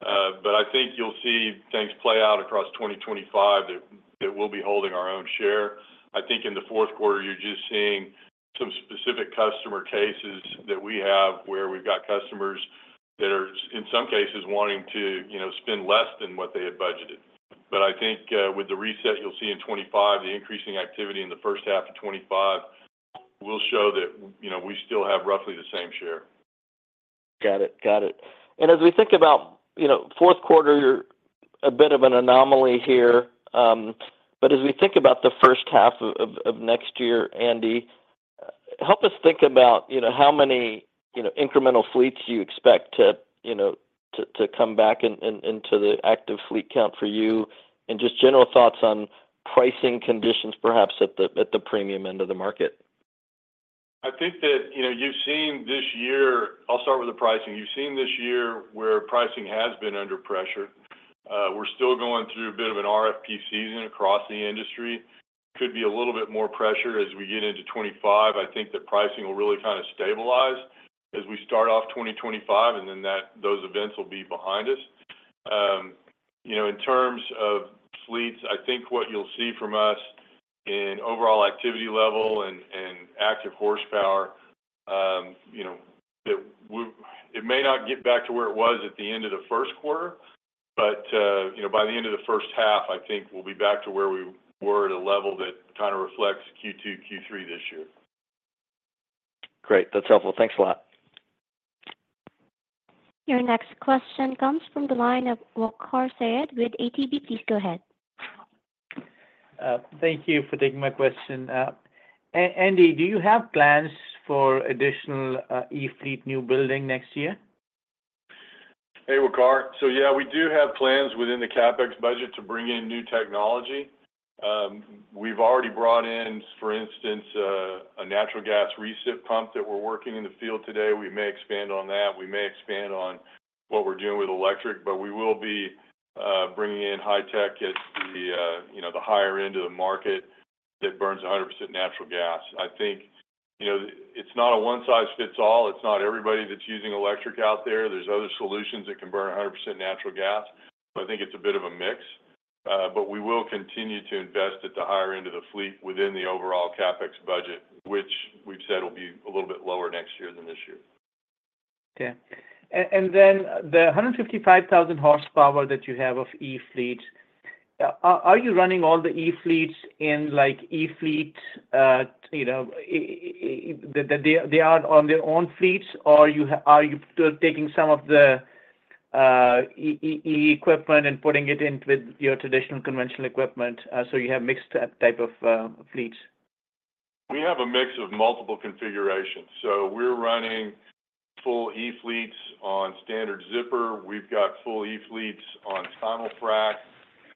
But I think you'll see things play out across 2025, that, that we'll be holding our own share. I think in the fourth quarter, you're just seeing some specific customer cases that we have where we've got customers that are, in some cases, wanting to, you know, spend less than what they had budgeted. But I think, with the reset you'll see in 2025, the increasing activity in the first half of 2025 will show that, you know, we still have roughly the same share. Got it. Got it. And as we think about, you know, fourth quarter, a bit of an anomaly here, but as we think about the first half of next year, Andy, help us think about, you know, how many, you know, incremental fleets you expect to, you know, to come back into the active fleet count for you, and just general thoughts on pricing conditions, perhaps at the premium end of the market. I think that, you know, you've seen this year. I'll start with the pricing. You've seen this year where pricing has been under pressure. We're still going through a bit of an RFP season across the industry. Could be a little bit more pressure as we get into 2025. I think the pricing will really kind of stabilize as we start off 2025, and then those events will be behind us. You know, in terms of fleets, I think what you'll see from us in overall activity level and active horsepower, it may not get back to where it was at the end of the first quarter, but, by the end of the first half, I think we'll be back to where we were at a level that kind of reflects Q2, Q3 this year. Great. That's helpful. Thanks a lot. Your next question comes from the line of Waqar Syed with ATB. Please go ahead. Thank you for taking my question. Andy, do you have plans for additional E-fleet new building next year? Hey, Waqar. So yeah, we do have plans within the CapEx budget to bring in new technology. We've already brought in, for instance, a natural gas recip pump that we're working in the field today. We may expand on that. We may expand on what we're doing with electric, but we will be bringing in high tech at the, you know, the higher end of the market that burns 100% natural gas. I think, you know, it's not a one-size-fits-all, it's not everybody that's using electric out there. There's other solutions that can burn 100% natural gas, but I think it's a bit of a mix. But we will continue to invest at the higher end of the fleet within the overall CapEx budget, which we've said will be a little bit lower next year than this year. Okay. And then the 155,000 horsepower that you have of E-fleet, are you running all the E-fleets in, like E-fleet, you know, that they are on their own fleets, or are you still taking some of the E-equipment and putting it in with your traditional conventional equipment, so you have mixed type of fleets? We have a mix of multiple configurations, so we're running full E-fleets on standard zipper. We've got full E-fleets on Trimul-Frac,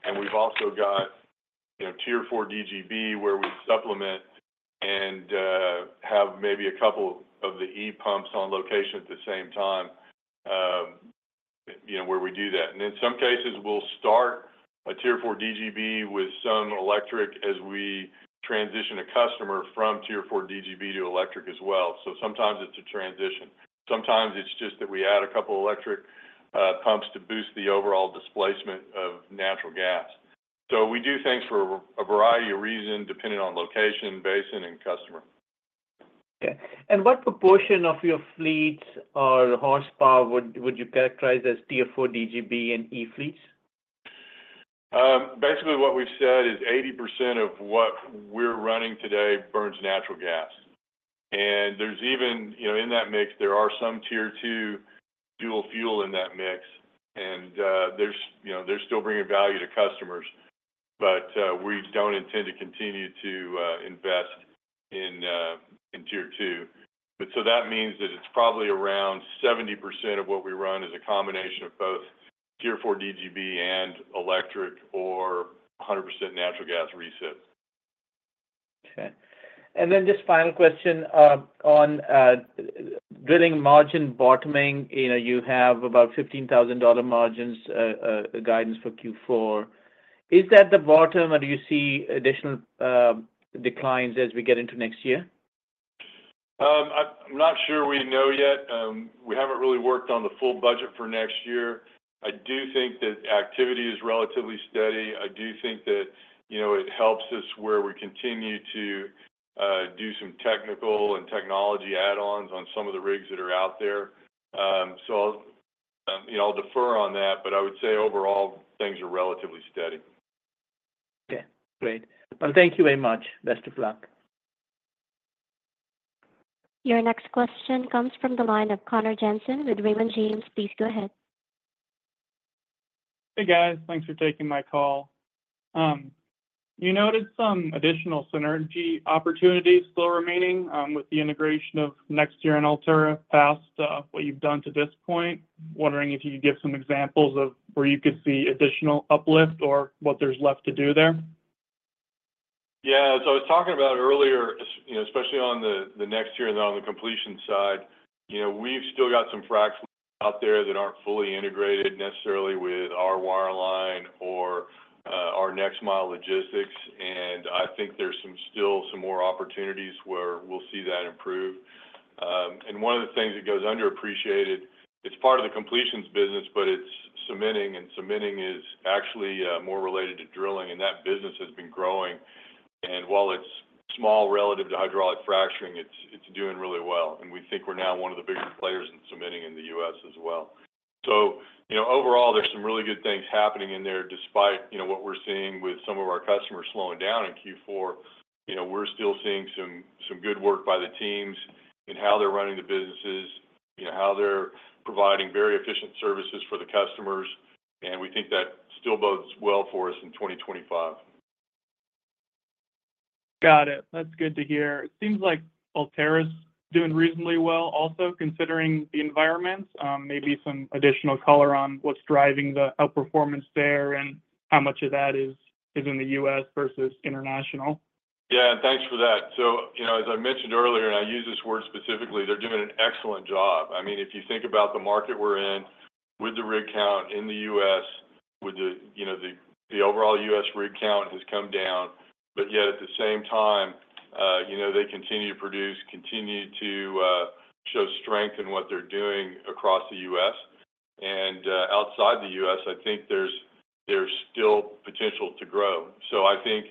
and we've also got, you know, Tier 4 DGB, where we supplement and have maybe a couple of the E-pumps on location at the same time, you know, where we do that, and in some cases, we'll start a Tier 4 DGB with some electric as we transition a customer from Tier 4 DGB to electric as well. So sometimes it's a transition. Sometimes it's just that we add a couple electric pumps to boost the overall displacement of natural gas. So we do things for a variety of reasons, depending on location, basin, and customer. Okay. And what proportion of your fleets or horsepower would you characterize as Tier 4 DGB and E fleets? Basically, what we've said is 80% of what we're running today burns natural gas. And there's even, you know, in that mix, there are some Tier 2 dual fuel in that mix, and there's, you know, they're still bringing value to customers. But we don't intend to continue to invest in Tier 2. But so that means that it's probably around 70% of what we run is a combination of both Tier 4 DGB and electric or 100% natural gas recip. Okay. And then just final question, on drilling margin bottoming. You know, you have about $15,000 margins, guidance for Q4. Is that the bottom, or do you see additional declines as we get into next year? I'm not sure we know yet. We haven't really worked on the full budget for next year. I do think that activity is relatively steady. I do think that, you know, it helps us where we continue to do some technical and technology add-ons on some of the rigs that are out there. So, you know, I'll defer on that, but I would say overall, things are relatively steady. Okay, great. Well, thank you very much. Best of luck. Your next question comes from the line of Connor Jensen with Raymond James. Please go ahead. Hey, guys. Thanks for taking my call. You noted some additional synergy opportunities still remaining with the integration of NexTier and Ulterra past what you've done to this point. I'm wondering if you could give some examples of where you could see additional uplift or what there's left to do there. Yeah. So I was talking about earlier, you know, especially on the NexTier and on the completion side, you know, we've still got some fracs out there that aren't fully integrated necessarily with our wireline or our NexTier logistics, and I think there's some still some more opportunities where we'll see that improve. And one of the things that goes underappreciated, it's part of the completions business, but it's cementing, and cementing is actually more related to drilling, and that business has been growing. And while it's small relative to hydraulic fracturing, it's doing really well, and we think we're now one of the biggest players in cementing in the U.S. as well. So, you know, overall, there's some really good things happening in there, despite, you know, what we're seeing with some of our customers slowing down in Q4. You know, we're still seeing some good work by the teams in how they're running the businesses, you know, how they're providing very efficient services for the customers, and we think that still bodes well for us in 2025. Got it. That's good to hear. It seems like Ulterra's doing reasonably well, also, considering the environment. Maybe some additional color on what's driving the outperformance there and how much of that is in the U.S. versus international. Yeah, and thanks for that. So, you know, as I mentioned earlier, and I use this word specifically, they're doing an excellent job. I mean, if you think about the market we're in with the rig count in the U.S., with the, you know, the overall U.S. rig count has come down, but yet at the same time, you know, they continue to produce, continue to show strength in what they're doing across the U.S. And outside the U.S., I think there's still potential to grow. So I think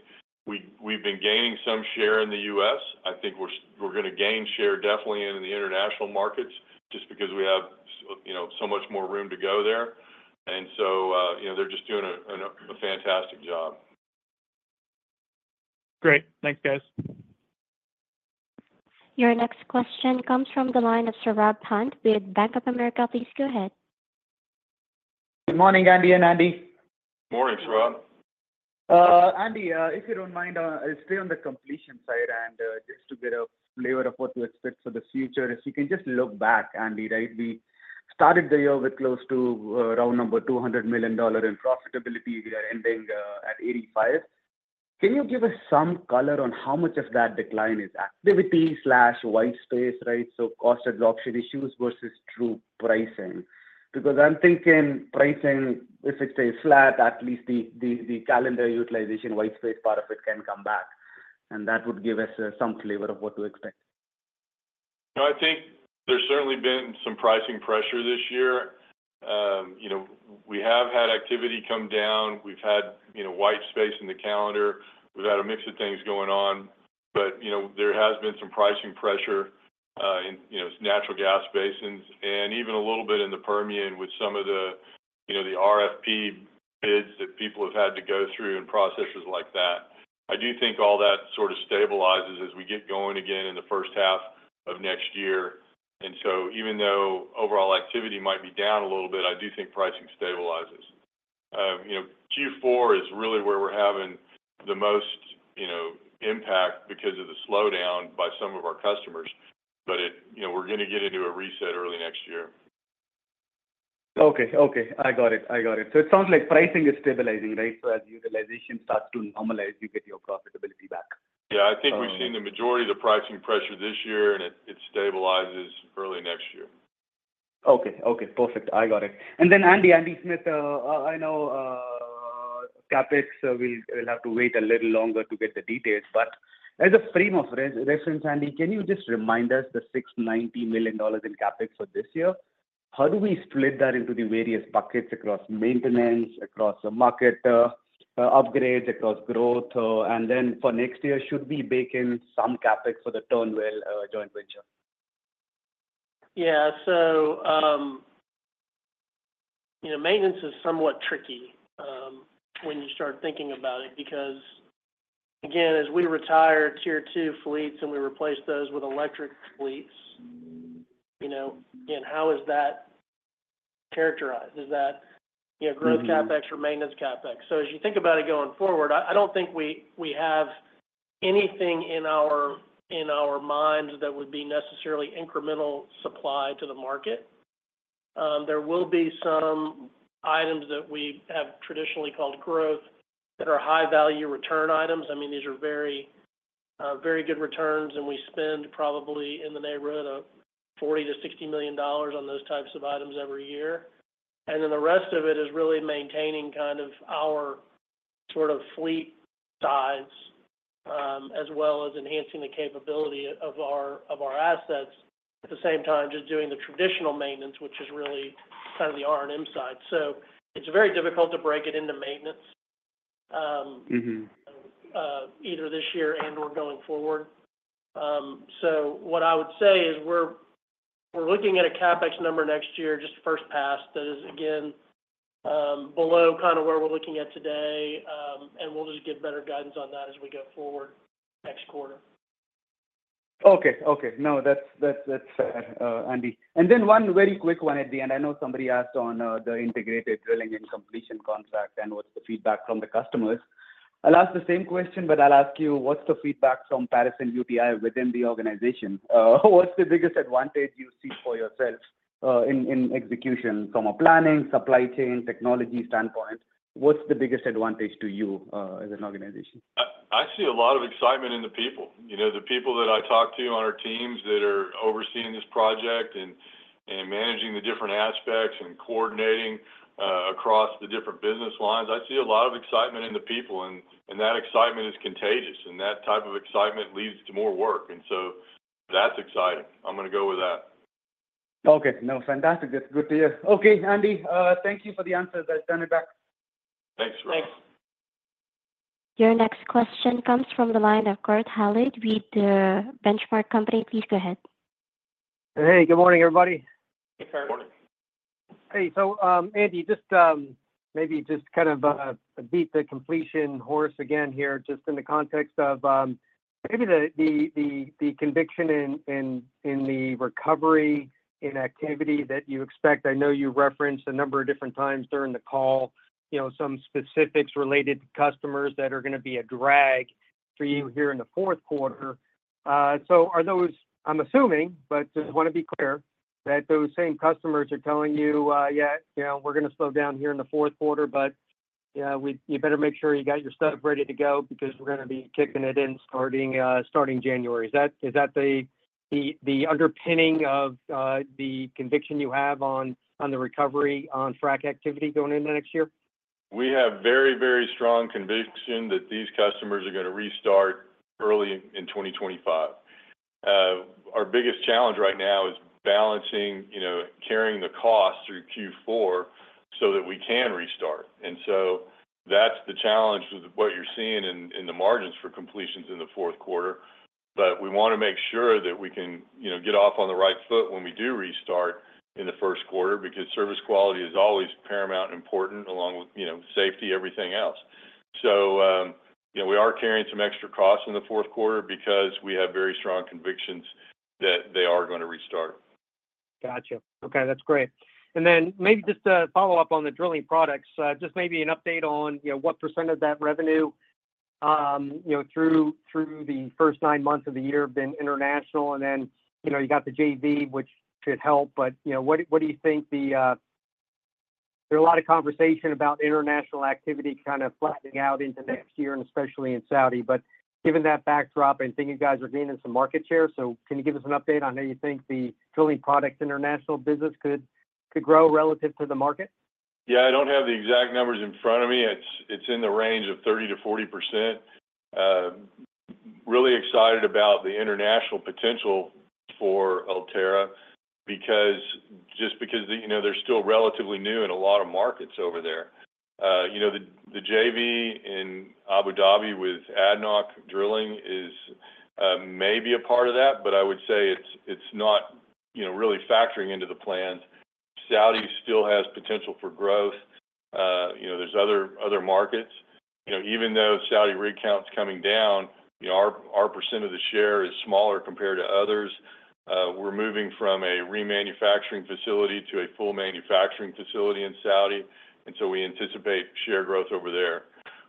we, we've been gaining some share in the U.S. I think we're, we're gonna gain share definitely in the international markets just because we have, you know, so much more room to go there. And so, you know, they're just doing a fantastic job. Great. Thanks, guys. Your next question comes from the line of Saurabh Pant with Bank of America. Please go ahead. Good morning, Andy and Andy. Morning, Saurabh. Andy, if you don't mind, I'll stay on the completion side and just to get a flavor of what to expect for the future. If you can just look back, Andy, right, we started the year with close to around $200 million in profitability. We are ending at $85. Can you give us some color on how much of that decline is activity/white space, right? So cost adoption issues versus true pricing. Because I'm thinking pricing, if it stays flat, at least the calendar utilization, white space part of it can come back, and that would give us some flavor of what to expect. No, I think there's certainly been some pricing pressure this year. You know, we have had activity come down. We've had, you know, white space in the calendar. We've had a mix of things going on, but, you know, there has been some pricing pressure, in, you know, natural gas basins, and even a little bit in the Permian with some of the, you know, the RFP bids that people have had to go through and processes like that. I do think all that sort of stabilizes as we get going again in the first half of next year. And so even though overall activity might be down a little bit, I do think pricing stabilizes. You know, Q4 is really where we're having the most, you know, impact because of the slowdown by some of our customers, but it. You know, we're gonna get into a reset early next year. Okay. Okay, I got it. I got it. So it sounds like pricing is stabilizing, right? So as utilization starts to normalize, you get your profitability back. Yeah, I think we've seen the majority of the pricing pressure this year, and it stabilizes early next year. Okay. Okay, perfect. I got it. And then, Andy, Andy Smith, I know, CapEx, we'll have to wait a little longer to get the details, but as a frame of reference, Andy, can you just remind us the $690 million in CapEx for this year? How do we split that into the various buckets across maintenance, across the market, upgrades, across growth? And then for next year, should we bake in some CapEx for the Turnwell joint venture? Yeah. So, you know, maintenance is somewhat tricky, when you start thinking about it, because, again, as we retire Tier 2 fleets and we replace those with electric fleets, you know, and how is that characterized? Is that, you know, growth- Mm-hmm CapEx or maintenance CapEx? So as you think about it going forward, I don't think we have anything in our minds that would be necessarily incremental supply to the market. There will be some items that we have traditionally called growth, that are high value return items. I mean, these are very, very good returns, and we spend probably in the neighborhood of $40 million-$60 million on those types of items every year. And then the rest of it is really maintaining kind of our sort of fleet size, as well as enhancing the capability of our assets, at the same time, just doing the traditional maintenance, which is really kind of the R&M side. So it's very difficult to break it into maintenance. Mm-hmm Either this year and/or going forward, so what I would say is we're looking at a CapEx number next year, just first pass, that is, again, below kinda where we're looking at today, and we'll just give better guidance on that as we go forward next quarter. Okay. No, that's fair, Andy. And then one very quick one at the end. I know somebody asked on the integrated drilling and completion contract and what's the feedback from the customers. I'll ask the same question, but I'll ask you, what's the feedback from Patterson-UTI within the organization? What's the biggest advantage you see for yourselves in execution from a planning, supply chain, technology standpoint, what's the biggest advantage to you as an organization? I see a lot of excitement in the people. You know, the people that I talk to on our teams that are overseeing this project and managing the different aspects, and coordinating across the different business lines. I see a lot of excitement in the people, and that excitement is contagious, and that type of excitement leads to more work, and so that's exciting. I'm gonna go with that. Okay. No, fantastic. That's good to hear. Okay, Andy, thank you for the answers. I turn it back. Thanks, Saurabh. Thanks. Your next question comes from the line of Kurt Hallead with The Benchmark Company. Please go ahead. Hey, good morning, everybody. Good morning. Morning. Hey, so, Andy, just maybe just kind of beat the completion horse again here, just in the context of maybe the conviction in the recovery in activity that you expect. I know you referenced a number of different times during the call, you know, some specifics related to customers that are gonna be a drag for you here in the fourth quarter. So are those, I'm assuming, but just want to be clear, that those same customers are telling you, "Yeah, you know, we're gonna slow down here in the fourth quarter, but you better make sure you got your stuff ready to go because we're gonna be kicking it in, starting January." Is that the underpinning of the conviction you have on the recovery on frac activity going into next year? We have very, very strong conviction that these customers are gonna restart early in 2025. Our biggest challenge right now is balancing, you know, carrying the cost through Q4 so that we can restart. And so that's the challenge with what you're seeing in, in the margins for completions in the fourth quarter. But we wanna make sure that we can, you know, get off on the right foot when we do restart in the first quarter, because service quality is always paramount important, along with, you know, safety, everything else. So, you know, we are carrying some extra costs in the fourth quarter because we have very strong convictions that they are gonna restart. Gotcha. Okay, that's great. Then maybe just to follow up on the drilling products, just maybe an update on, you know, what % of that revenue, you know, through the first nine months of the year have been international, and then, you know, you got the JV, which should help. But, you know, what do you think the... There are a lot of conversations about international activity kinda flattening out into next year, and especially in Saudi, but given that backdrop, I think you guys are gaining some market share. So can you give us an update on how you think the drilling products international business could grow relative to the market? Yeah, I don't have the exact numbers in front of me. It's in the range of 30%-40%. Really excited about the international potential for Ulterra because, just because, you know, they're still relatively new in a lot of markets over there. You know, the JV in Abu Dhabi with ADNOC Drilling may be a part of that, but I would say it's not, you know, really factoring into the plans. Saudi still has potential for growth. You know, there's other markets. You know, even though Saudi rig count is coming down, you know, our percent of the share is smaller compared to others. We're moving from a remanufacturing facility to a full manufacturing facility in Saudi, and so we anticipate share growth over there.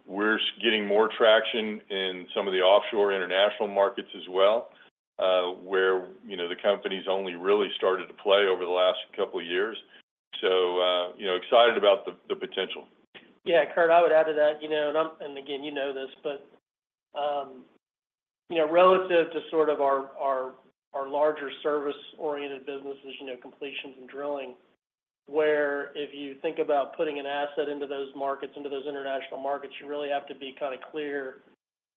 We're getting more traction in some of the offshore international markets as well, where, you know, the company's only really started to play over the last couple of years, so you know, excited about the potential. Yeah, Kurt, I would add to that, you know, and I'm, and again, you know this, but, you know, relative to sort of our larger service-oriented businesses, you know, completions and drilling, where if you think about putting an asset into those markets, into those international markets, you really have to be kinda clear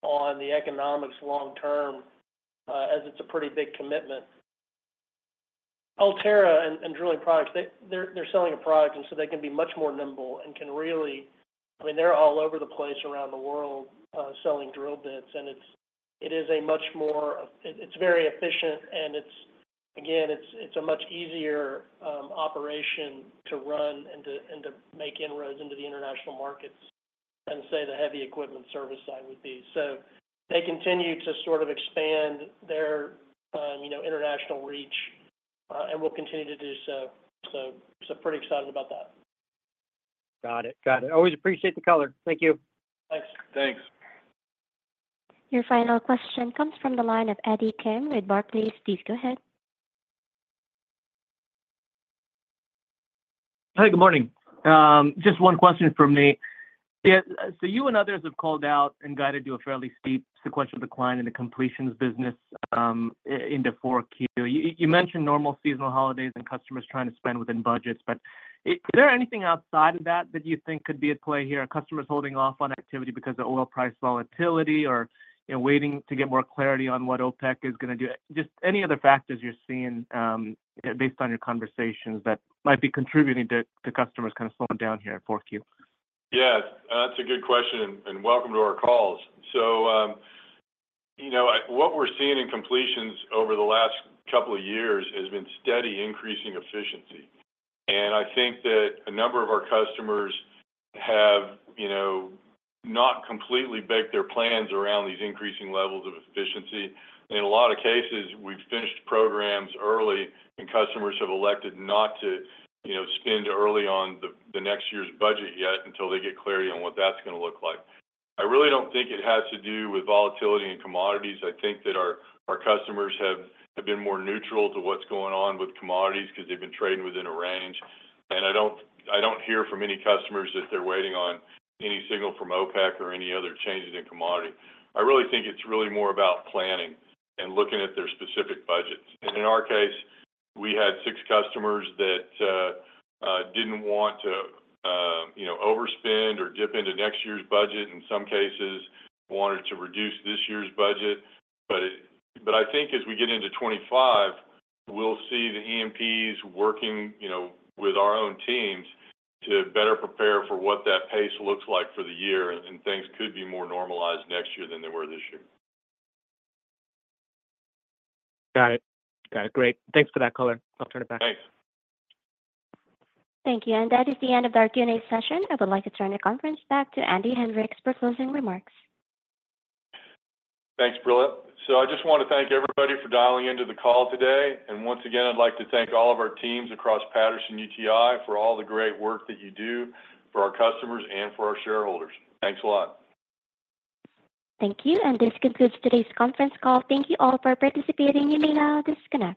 on the economics long term, as it's a pretty big commitment. Ulterra and drilling products, they're selling a product, and so they can be much more nimble and can really, I mean, they're all over the place around the world, selling drill bits, and it is a much more, it's very efficient, and it's, again, it's a much easier operation to run and to make inroads into the international markets than, say, the heavy equipment service side would be. So they continue to sort of expand their, you know, international reach, and will continue to do so, so pretty excited about that. Got it. Got it. Always appreciate the color. Thank you. Thanks. Thanks. Your final question comes from the line of Eddie Kim with Barclays. Please, go ahead. Hi, good morning. Just one question from me. Yeah, so you and others have called out and guided to a fairly steep sequential decline in the completions business into 4Q. You mentioned normal seasonal holidays and customers trying to spend within budgets, but is there anything outside of that that you think could be at play here? Are customers holding off on activity because of oil price volatility, or, you know, waiting to get more clarity on what OPEC is gonna do? Just any other factors you're seeing based on your conversations that might be contributing to customers kind of slowing down here in 4Q? Yes, that's a good question, and welcome to our calls. You know, what we're seeing in completions over the last couple of years has been steady increasing efficiency. I think that a number of our customers have you know not completely baked their plans around these increasing levels of efficiency. In a lot of cases, we've finished programs early, and customers have elected not to you know spend early on the next year's budget yet until they get clarity on what that's gonna look like. I really don't think it has to do with volatility and commodities. I think that our customers have been more neutral to what's going on with commodities because they've been trading within a range. I don't hear from any customers that they're waiting on any signal from OPEC or any other changes in commodities. I really think it's really more about planning and looking at their specific budgets, and in our case, we had six customers that didn't want to, you know, overspend or dip into next year's budget, in some cases, wanted to reduce this year's budget, but I think as we get into 2025, we'll see the E&Ps working, you know, with our own teams to better prepare for what that pace looks like for the year, and things could be more normalized next year than they were this year. Got it. Got it. Great. Thanks for that color. I'll turn it back. Thanks. Thank you. That is the end of our Q&A session. I would like to turn the conference back to Andy Hendricks for closing remarks. Thanks, Prilla. So I just want to thank everybody for dialing into the call today. And once again, I'd like to thank all of our teams across Patterson-UTI for all the great work that you do for our customers and for our shareholders. Thanks a lot. Thank you, and this concludes today's conference call. Thank you all for participating. You may now disconnect.